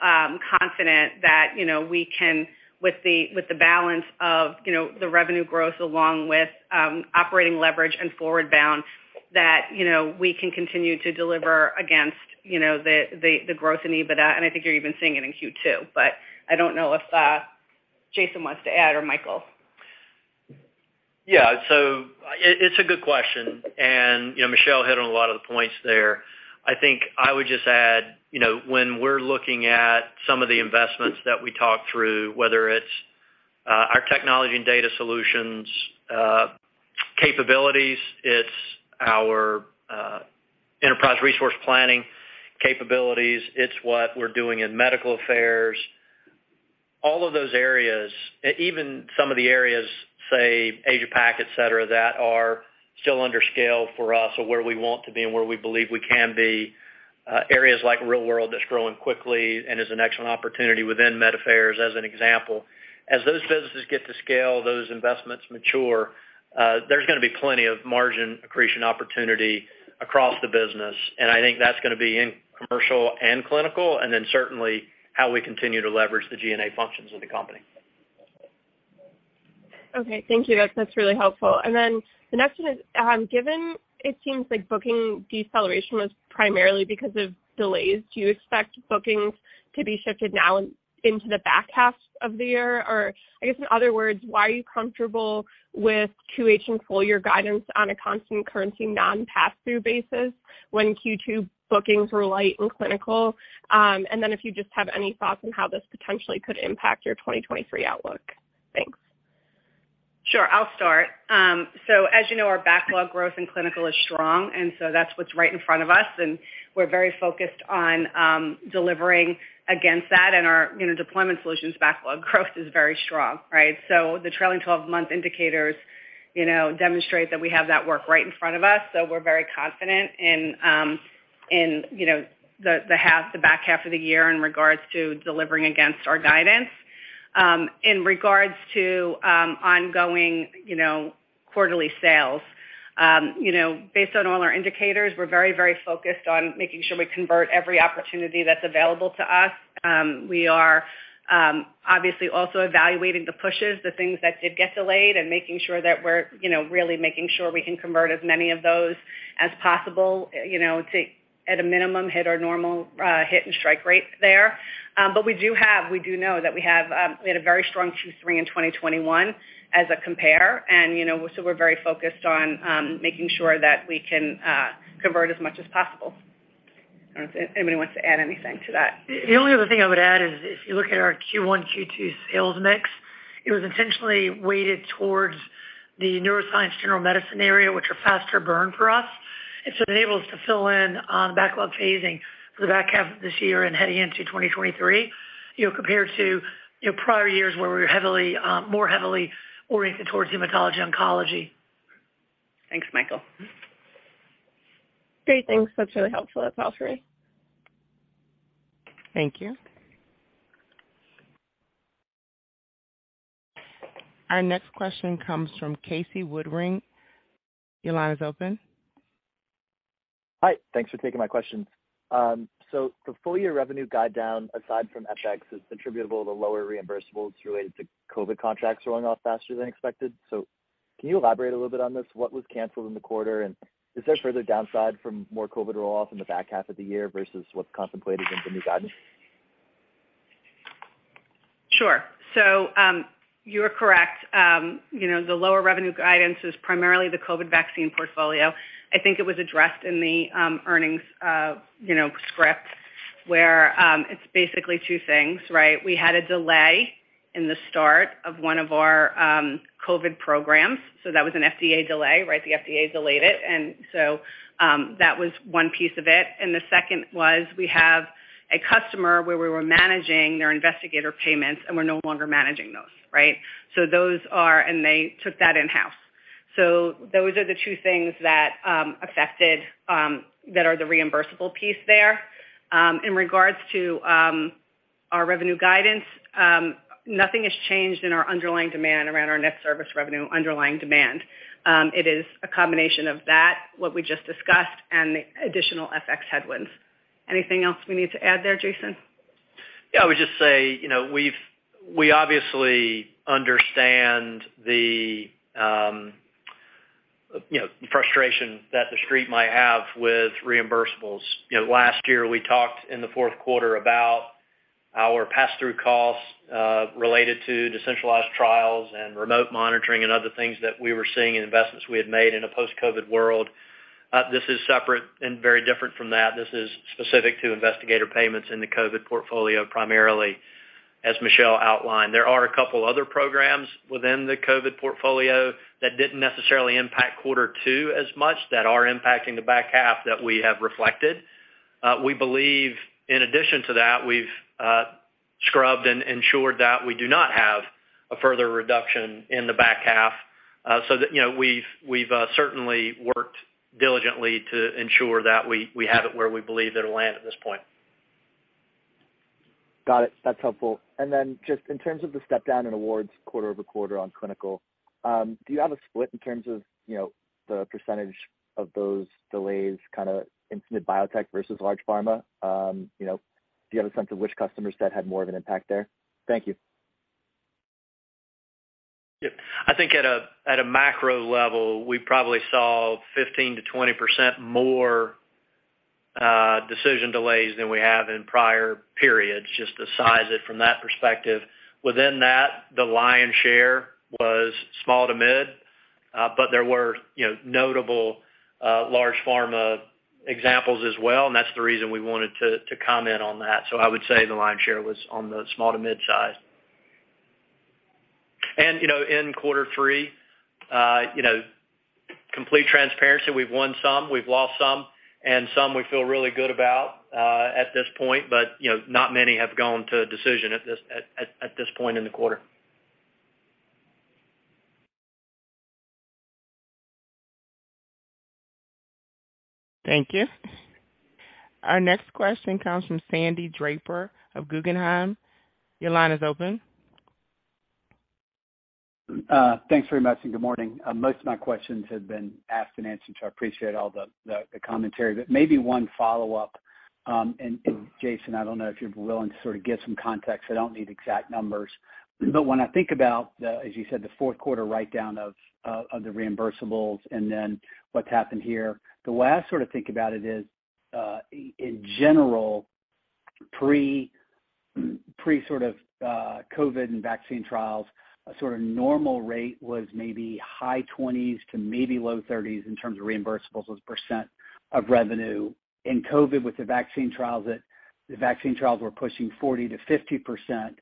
confident that, you know, we can, with the balance of, you know, the revenue growth along with operating leverage and ForwardBound, that, you know, we can continue to deliver against, you know, the growth in EBITDA, and I think you're even seeing it in Q2. I don't know if Jason wants to add or Michael. Yeah. It, it's a good question, and, you know, Michelle hit on a lot of the points there. I think I would just add, you know, when we're looking at some of the investments that we talked through, whether it's our Technology and Data Solutions capabilities, it's our enterprise resource planning capabilities, it's what we're doing in Medical Affairs, all of those areas, even some of the areas, say Asia Pac, et cetera, that are still under scale for us or where we want to be and where we believe we can be, areas like real-world that's growing quickly and is an excellent opportunity within Med Affairs as an example. As those businesses get to scale, those investments mature, there's gonna be plenty of margin accretion opportunity across the business, and I think that's gonna be in commercial and clinical, and then certainly how we continue to leverage the G&A functions of the company. Okay. Thank you. That's really helpful. Then the next one is, given it seems like booking deceleration was primarily because of delays, do you expect bookings to be shifted now into the back half of the year? Or I guess in other words, why are you comfortable with Q3 in full year guidance on a constant currency non-passthrough basis when Q2 bookings were light in clinical? If you just have any thoughts on how this potentially could impact your 2023 outlook. Thanks. Sure. I'll start. As you know, our backlog growth in Clinical is strong, and that's what's right in front of us, and we're very focused on delivering against that in our, you know, Deployment Solutions backlog growth is very strong, right? The trailing 12-month indicators, you know, demonstrate that we have that work right in front of us. We're very confident in you know, the back half of the year in regards to delivering against our guidance. In regards to ongoing, you know, quarterly sales, you know, based on all our indicators, we're very, very focused on making sure we convert every opportunity that's available to us. We are obviously also evaluating the pushes, the things that did get delayed, and making sure that we're, you know, really making sure we can convert as many of those as possible, you know, to at a minimum, hit our normal, hit and strike rate there. But we do know that we had a very strong Q3 in 2021 as a comp. You know, so we're very focused on making sure that we can convert as much as possible. I don't know if anybody wants to add anything to that. The only other thing I would add is if you look at our Q1, Q2 sales mix, it was intentionally weighted towards the neuroscience general medicine area, which are faster burn for us. It's enabled us to fill in on the backlog phasing for the back half of this year and heading into 2023, you know, compared to, you know, prior years where we were heavily, more heavily oriented towards hematology oncology. Thanks, Michael. Great. Thanks. That's really helpful. That's all for me. Thank you. Our next question comes from Casey Woodring. Your line is open. Hi. Thanks for taking my questions. The full year revenue guide down, aside from FX, is attributable to lower reimbursables related to COVID contracts rolling off faster than expected. Can you elaborate a little bit on this? What was canceled in the quarter? Is there further downside from more COVID roll-off in the back half of the year versus what's contemplated in the new guidance? Sure. You are correct. You know, the lower revenue guidance is primarily the COVID vaccine portfolio. I think it was addressed in the earnings, you know, script, where it's basically two things, right? We had a delay in the start of one of our COVID programs, so that was an FDA delay, right? The FDA delayed it, and so that was one piece of it. The second was we have a customer where we were managing their investigator payments, and we're no longer managing those, right? Those are. They took that in-house. Those are the two things that affected that are the reimbursable piece there. In regards to our revenue guidance, nothing has changed in our underlying demand around our net service revenue underlying demand. It is a combination of that, what we just discussed and the additional FX headwinds. Anything else we need to add there, Jason? Yeah, I would just say, you know, we obviously understand the frustration that The Street might have with reimbursables. You know, last year we talked in the fourth quarter about our pass-through costs related to decentralized trials and remote monitoring and other things that we were seeing and investments we had made in a post-COVID world. This is separate and very different from that. This is specific to investigator payments in the COVID portfolio, primarily as Michelle outlined. There are a couple other programs within the COVID portfolio that didn't necessarily impact quarter two as much that are impacting the back half that we have reflected. We believe in addition to that, we've scrubbed and ensured that we do not have a further reduction in the back half. That, you know, we've certainly worked diligently to ensure that we have it where we believe it'll land at this point. Got it. That's helpful. Just in terms of the step down in awards quarter-over-quarter on clinical, do you have a split in terms of, you know, the percentage of those delays, kinda in mid biotech versus large pharma? You know, do you have a sense of which customer set had more of an impact there? Thank you. Yeah. I think at a macro level, we probably saw 15%-20% more decision delays than we have in prior periods, just to size it from that perspective. Within that, the lion's share was small to mid, but there were, you know, notable large pharma examples as well, and that's the reason we wanted to comment on that. I would say the lion's share was on the small to mid-size. You know, in quarter three, you know, complete transparency, we've won some, we've lost some, and some we feel really good about at this point. You know, not many have gone to a decision at this point in the quarter. Thank you. Our next question comes from Sandy Draper of Guggenheim. Your line is open. Thanks very much, and good morning. Most of my questions have been asked and answered, so I appreciate all the commentary. Maybe one follow-up, and Jason, I don't know if you'd be willing to sort of give some context. I don't need exact numbers. When I think about the, as you said, the fourth quarter write-down of the reimbursables and then what's happened here, the way I sort of think about it is, in general, pre sort of COVID and vaccine trials, a sort of normal rate was maybe high 20s to maybe low 30s in terms of reimbursables as a % of revenue. In COVID, with the vaccine trials were pushing 40%-50%,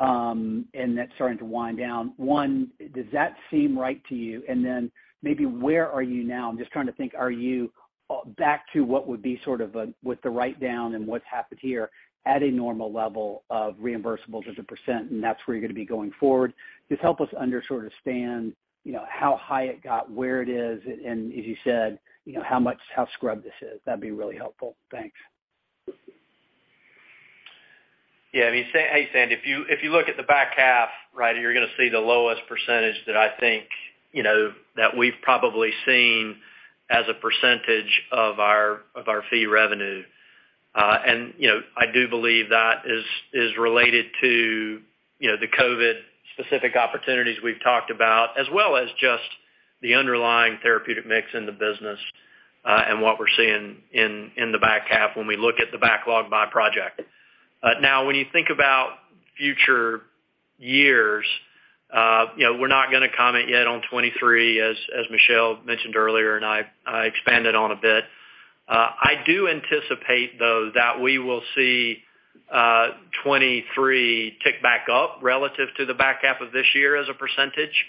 and that's starting to wind down. One, does that seem right to you? Maybe where are you now? I'm just trying to think, are you back to what would be sort of a, with the write-down and what's happened here at a normal level of reimbursables as a percent, and that's where you're gonna be going forward? Just help us understand, you know, how high it got, where it is, and as you said, you know, how much, how scrubbed this is. That'd be really helpful. Thanks. Yeah, I mean, Hey, Sandy, if you look at the back half, right, you're gonna see the lowest percentage that I think, you know, that we've probably seen as a percentage of our fee revenue. I do believe that is related to, you know, the COVID-specific opportunities we've talked about, as well as just the underlying therapeutic mix in the business, and what we're seeing in the back half when we look at the backlog by project. Now, when you think about future years, you know, we're not gonna comment yet on 2023, as Michelle mentioned earlier, and I expanded on a bit. I do anticipate, though, that we will see 23 tick back up relative to the back half of this year as a percentage,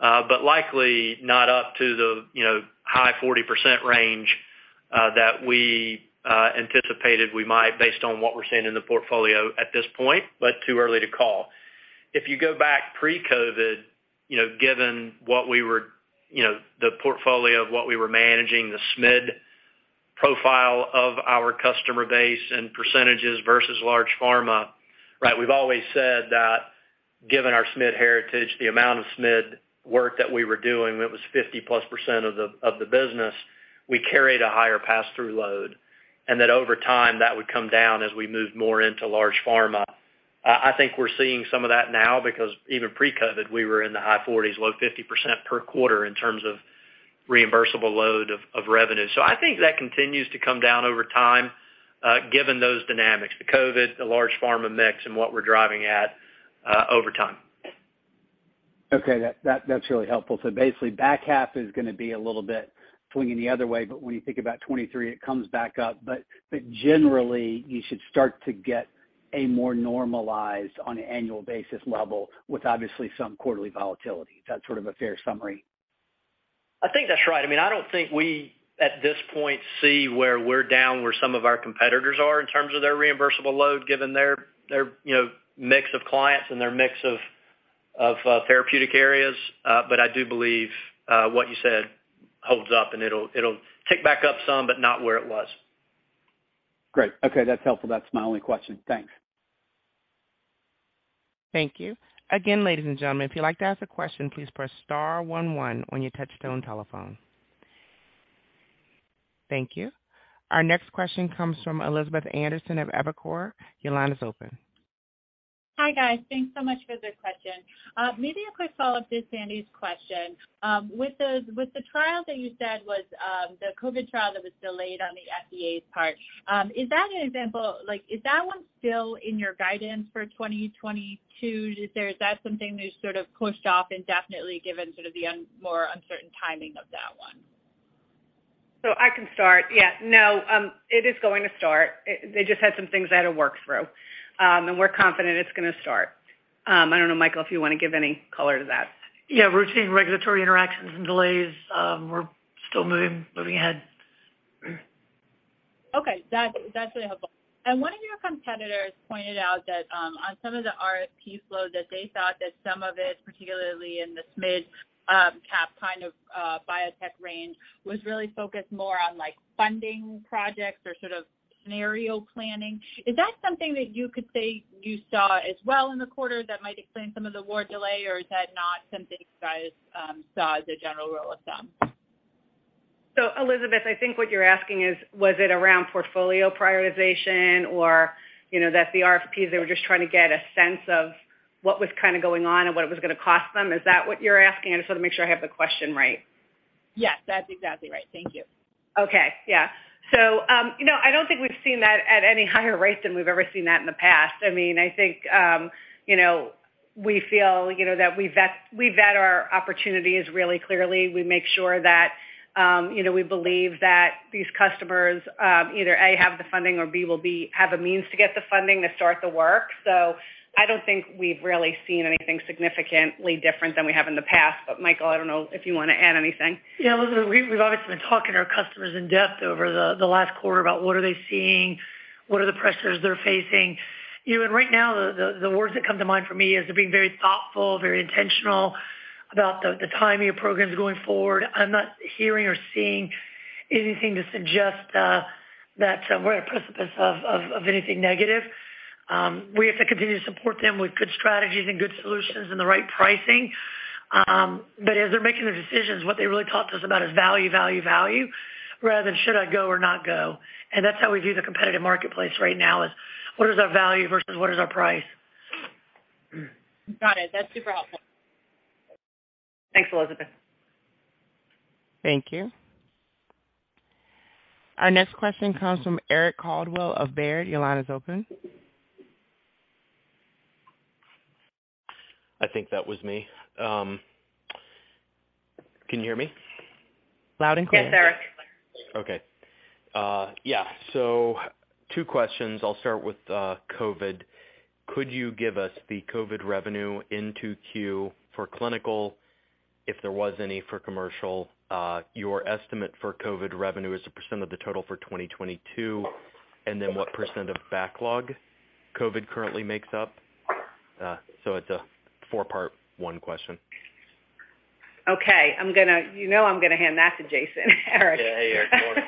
but likely not up to the, you know, high 40% range, that we anticipated we might based on what we're seeing in the portfolio at this point, but too early to call. If you go back pre-COVID, you know, given what we were, you know, the portfolio of what we were managing, the SMID profile of our customer base and percentages versus large pharma, right? We've always said that given our SMID heritage, the amount of SMID work that we were doing, it was 50+% of the business. We carried a higher passthrough load, and that over time, that would come down as we moved more into large pharma. I think we're seeing some of that now because even pre-COVID, we were in the high 40s, low 50s% per quarter in terms of reimbursable load of revenue. I think that continues to come down over time, given those dynamics, the COVID, the large pharma mix and what we're driving at, over time. Okay. That, that's really helpful. Basically, back half is gonna be a little bit swinging the other way, when you think about 2023, it comes back up. Generally, you should start to get a more normalized on an annual basis level with obviously some quarterly volatility. Is that sort of a fair summary? I think that's right. I mean, I don't think we, at this point, see where we're down where some of our competitors are in terms of their reimbursable load, given their, you know, mix of clients and their mix of therapeutic areas. I do believe what you said holds up, and it'll tick back up some, but not where it was. Great. Okay, that's helpful. That's my only question. Thanks. Thank you. Again, ladies and gentlemen, if you'd like to ask a question, please press star 1 1 on your touchtone telephone. Thank you. Our next question comes from Elizabeth Anderson of Evercore. Your line is open. Hi, guys. Thanks so much for the question. Maybe a quick follow-up to Sandy's question. With the trial that you said was the COVID trial that was delayed on the FDA's part, is that an example, like, is that one still in your guidance for 2022? Is that something that's sort of pushed off indefinitely given sort of the more uncertain timing of that one? I can start. Yeah, no, it is going to start. They just had some things they had to work through. We're confident it's gonna start. I don't know, Michael, if you wanna give any color to that. Yeah, routine regulatory interactions and delays. We're still moving ahead. Okay. That's really helpful. One of your competitors pointed out that on some of the RFP flow, that they thought that some of it, particularly in the SMID cap kind of biotech range, was really focused more on, like, funding projects or sort of scenario planning. Is that something that you could say you saw as well in the quarter that might explain some of the award delay, or is that not something you guys saw as a general rule of thumb? Elizabeth, I think what you're asking is, was it around portfolio prioritization or, you know, that the RFPs, they were just trying to get a sense of what was kinda going on and what it was gonna cost them. Is that what you're asking? I just wanna make sure I have the question right. Yes, that's exactly right. Thank you. Okay. Yeah. I don't think we've seen that at any higher rate than we've ever seen that in the past. I mean, I think, you know, we feel, you know, that we vet our opportunities really clearly. We make sure that, you know, we believe that these customers, either, A, have the funding or, B, have a means to get the funding to start the work. I don't think we've really seen anything significantly different than we have in the past. Michael, I don't know if you wanna add anything. Yeah. Elizabeth, we've obviously been talking to our customers in-depth over the last quarter about what are they seeing, what are the pressures they're facing. You know, right now the words that come to mind for me is they're being very thoughtful, very intentional about the timing of programs going forward. I'm not hearing or seeing anything to suggest that we're at a precipice of anything negative. We have to continue to support them with good strategies and good solutions and the right pricing. But as they're making their decisions, what they really talk to us about is value, value, rather than should I go or not go. That's how we view the competitive marketplace right now is what is our value versus what is our price. Got it. That's super helpful. Thanks, Elizabeth. Thank you. Our next question comes from Eric Coldwell of Baird. Your line is open. I think that was me. Can you hear me? Loud and clear. Yes, Eric. Okay. Two questions. I'll start with COVID. Could you give us the COVID revenue in Q4 for clinical, if there was any for commercial? Your estimate for COVID revenue as a % of the total for 2022, and then what % of backlog COVID currently makes up? It's a four-part one question. Okay. I'm gonna, you know, hand that to Jason, Eric. Hey, Eric.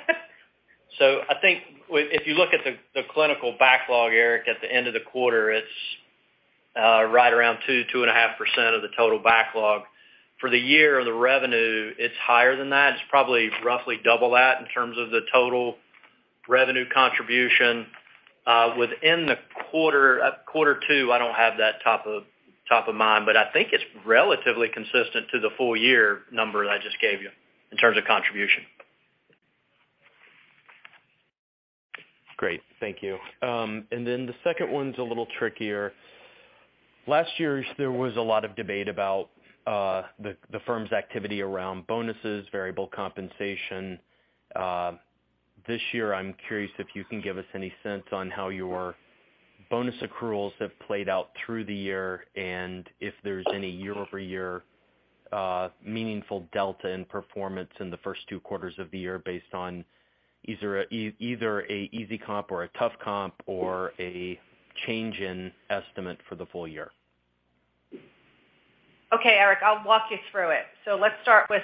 I think if you look at the clinical backlog, Eric, at the end of the quarter, it's right around 2.5% of the total backlog. For the year, the revenue, it's higher than that. It's probably roughly double that in terms of the total revenue contribution. Within the quarter two, I don't have that top of mind, but I think it's relatively consistent to the full year number that I just gave you in terms of contribution. Great. Thank you. The second one's a little trickier. Last year, there was a lot of debate about the firm's activity around bonuses, variable compensation. This year, I'm curious if you can give us any sense on how your bonus accruals have played out through the year and if there's any year-over-year meaningful delta in performance in the first two quarters of the year based on either a easy comp or a tough comp or a change in estimate for the full year. Okay, Eric, I'll walk you through it. Let's start with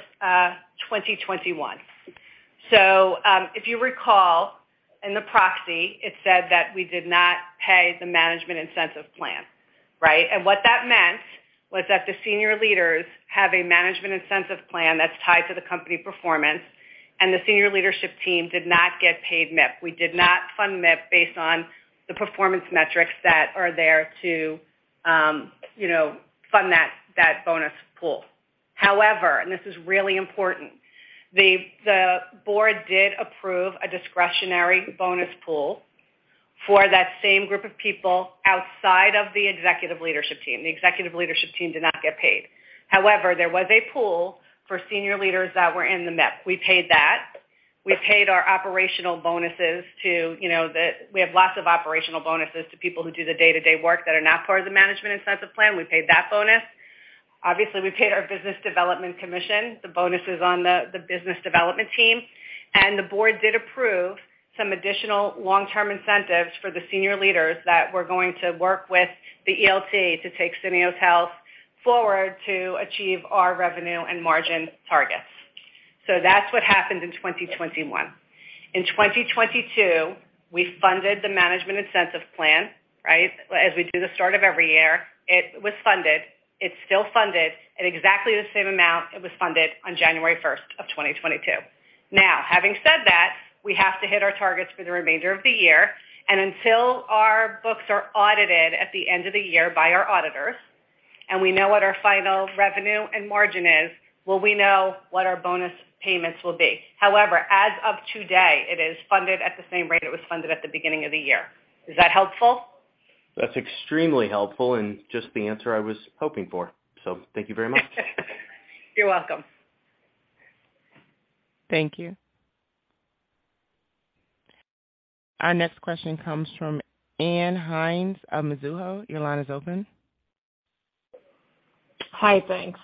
2021. If you recall in the proxy, it said that we did not pay the management incentive plan, right? What that meant was that the senior leaders have a management incentive plan that's tied to the company performance, and the senior leadership team did not get paid MIP. We did not fund MIP based on the performance metrics that are there to you know, fund that bonus pool. However, and this is really important, the board did approve a discretionary bonus pool for that same group of people outside of the executive leadership team. The executive leadership team did not get paid. However, there was a pool for senior leaders that were in the MIP. We paid that. We paid our operational bonuses to you know, the... We have lots of operational bonuses to people who do the day-to-day work that are not part of the management incentive plan. We paid that bonus. Obviously, we paid our business development commission, the bonuses on the business development team. The board did approve some additional long-term incentives for the senior leaders that were going to work with the ELT to take Syneos Health forward to achieve our revenue and margin targets. That's what happened in 2021. In 2022, we funded the management incentive plan, right? As we do the start of every year, it was funded. It's still funded at exactly the same amount it was funded on January 1 of 2022. Now, having said that, we have to hit our targets for the remainder of the year. Until our books are audited at the end of the year by our auditors, and we know what our final revenue and margin is, will we know what our bonus payments will be. However, as of today, it is funded at the same rate it was funded at the beginning of the year. Is that helpful? That's extremely helpful and just the answer I was hoping for. Thank you very much. You're welcome. Thank you. Our next question comes from Ann Hynes of Mizuho. Your line is open. Hi. Thanks.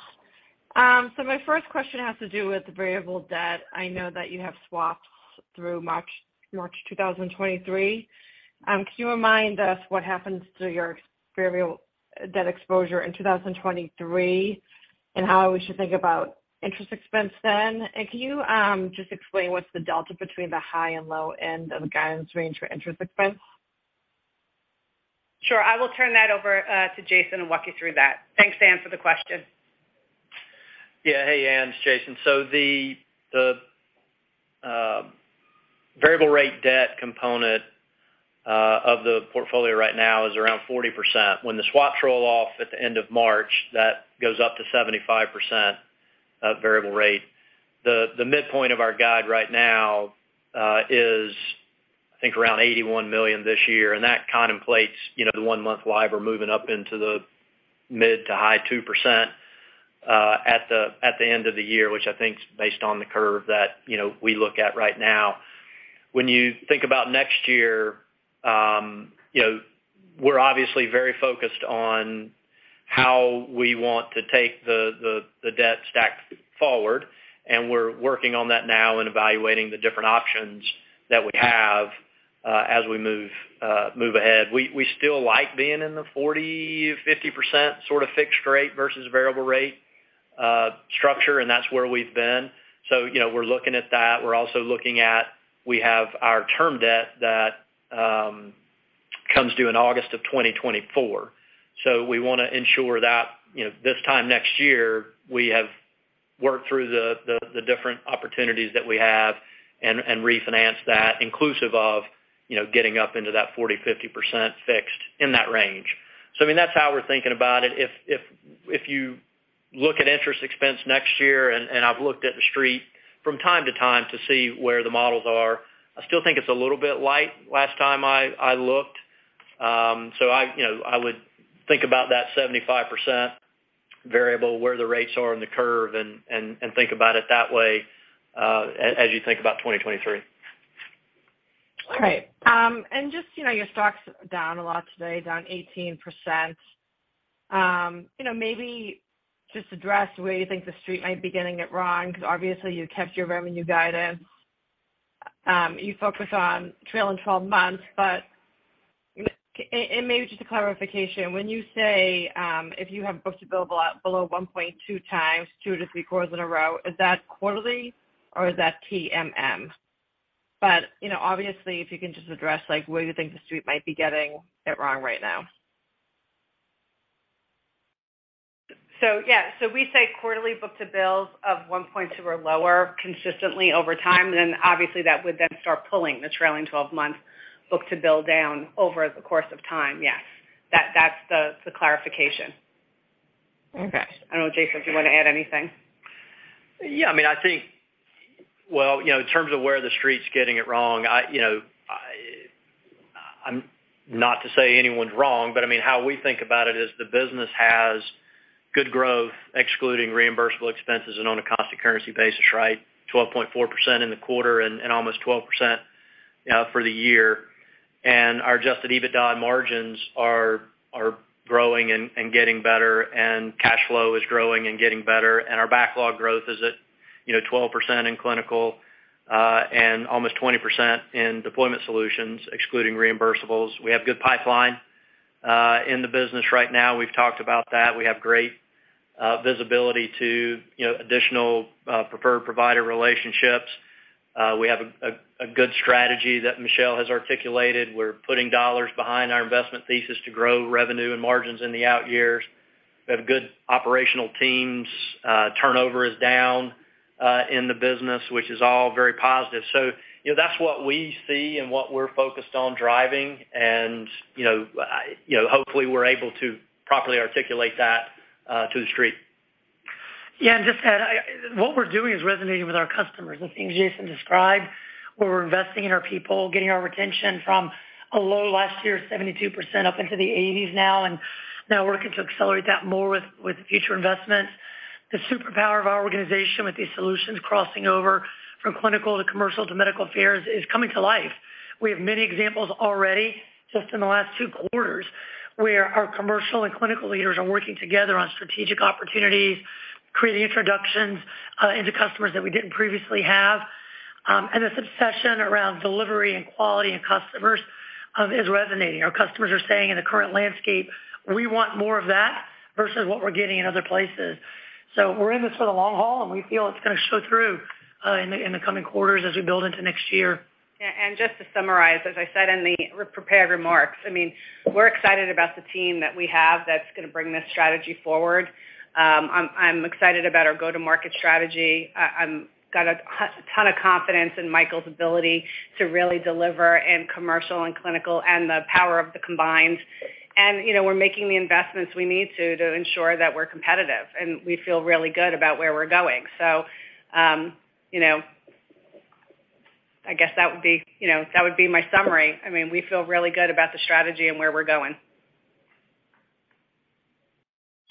My first question has to do with the variable debt. I know that you have swaps through March 2023. Can you remind us what happens to your variable debt exposure in 2023 and how we should think about interest expense then? And can you just explain what's the delta between the high and low end of the guidance range for interest expense? Sure. I will turn that over to Jason and walk you through that. Thanks, Ann, for the question. Hey, Ann, it's Jason. The variable rate debt component of the portfolio right now is around 40%. When the swaps roll off at the end of March, that goes up to 75% of variable rate. The midpoint of our guide right now is I think around $81 million this year, and that contemplates, you know, the one-month LIBOR moving up into the mid- to high 2%, at the end of the year, which I think is based on the curve that, you know, we look at right now. When you think about next year, you know, we're obviously very focused on how we want to take the debt stack forward, and we're working on that now and evaluating the different options that we have, as we move ahead. We still like being in the 40%-50% sort of fixed rate versus variable rate structure, and that's where we've been. You know, we're looking at that. We're also looking at, we have our term debt that comes due in August 2024. We wanna ensure that, you know, this time next year, we have worked through the different opportunities that we have and refinance that inclusive of, you know, getting up into that 40%-50% fixed in that range. I mean, that's how we're thinking about it. If you look at interest expense next year and I've looked at the street from time to time to see where the models are, I still think it's a little bit light last time I looked. I, you know, I would think about that 75% variable where the rates are in the curve and think about it that way, as you think about 2023. All right. Just, you know, your stock's down a lot today, down 18%. You know, maybe just address where you think the street might be getting it wrong because obviously you kept your revenue guidance. You focus on trailing twelve months, but you know, and maybe just a clarification. When you say, if you have book-to-bill below 1.2 times 2-3 quarters in a row, is that quarterly or is that TTM? You know, obviously, if you can just address, like, where you think the street might be getting it wrong right now. Yeah, so we say quarterly book-to-bills of 1.2 or lower consistently over time, then obviously that would then start pulling the trailing twelve-month book-to-bill down over the course of time. Yes. That's the clarification. Okay. I don't know, Jason, do you wanna add anything? Yeah, I mean, I think. Well, you know, in terms of where the street's getting it wrong, you know, I'm not to say anyone's wrong, but, I mean, how we think about it is the business has good growth, excluding reimbursable expenses and on a constant currency basis, right? 12.4% in the quarter and almost 12%, you know, for the year. Our adjusted EBITDA margins are growing and getting better, and cash flow is growing and getting better. Our backlog growth is at, you know, 12% in Clinical and almost 20% in Deployment Solutions, excluding reimbursables. We have good pipeline in the business right now. We've talked about that. We have great visibility to, you know, additional preferred provider relationships. We have a good strategy that Michelle has articulated. We're putting dollars behind our investment thesis to grow revenue and margins in the out years. We have good operational teams. Turnover is down in the business, which is all very positive. You know, that's what we see and what we're focused on driving. You know, you know, hopefully we're able to properly articulate that to the street. Yeah, just add, what we're doing is resonating with our customers, the things Jason described, where we're investing in our people, getting our retention from a low last year, 72% up into the 80s now, and now working to accelerate that more with future investments. The superpower of our organization with these solutions crossing over from clinical to commercial to medical affairs is coming to life. We have many examples already, just in the last two quarters, where our commercial and clinical leaders are working together on strategic opportunities, creating introductions into customers that we didn't previously have. This obsession around delivery and quality and customers is resonating. Our customers are saying in the current landscape, we want more of that versus what we're getting in other places. We're in this for the long haul, and we feel it's gonna show through in the coming quarters as we build into next year. Just to summarize, as I said in the prepared remarks, I mean, we're excited about the team that we have that's gonna bring this strategy forward. I'm excited about our go-to-market strategy. Got a ton of confidence in Michael's ability to really deliver in commercial and clinical and the power of the combined. You know, we're making the investments we need to ensure that we're competitive, and we feel really good about where we're going. You know, I guess that would be my summary. I mean, we feel really good about the strategy and where we're going.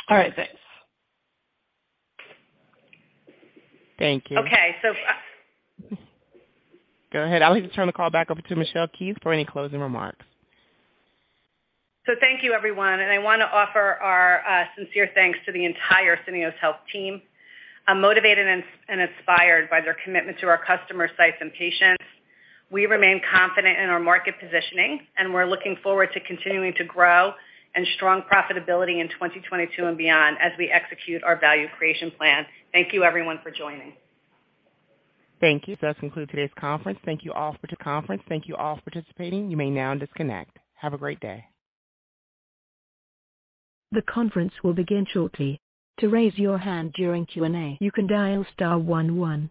All right. Thanks. Thank you. Okay. Go ahead. I'll need to turn the call back over to Michelle Keefe for any closing remarks. Thank you, everyone. I wanna offer our sincere thanks to the entire Syneos Health team. I'm motivated and inspired by their commitment to our customers, sites, and patients. We remain confident in our market positioning, and we're looking forward to continuing to grow and strong profitability in 2022 and beyond as we execute our value creation plan. Thank you everyone for joining. Thank you. That concludes today's conference. Thank you all for participating. You may now disconnect. Have a great day.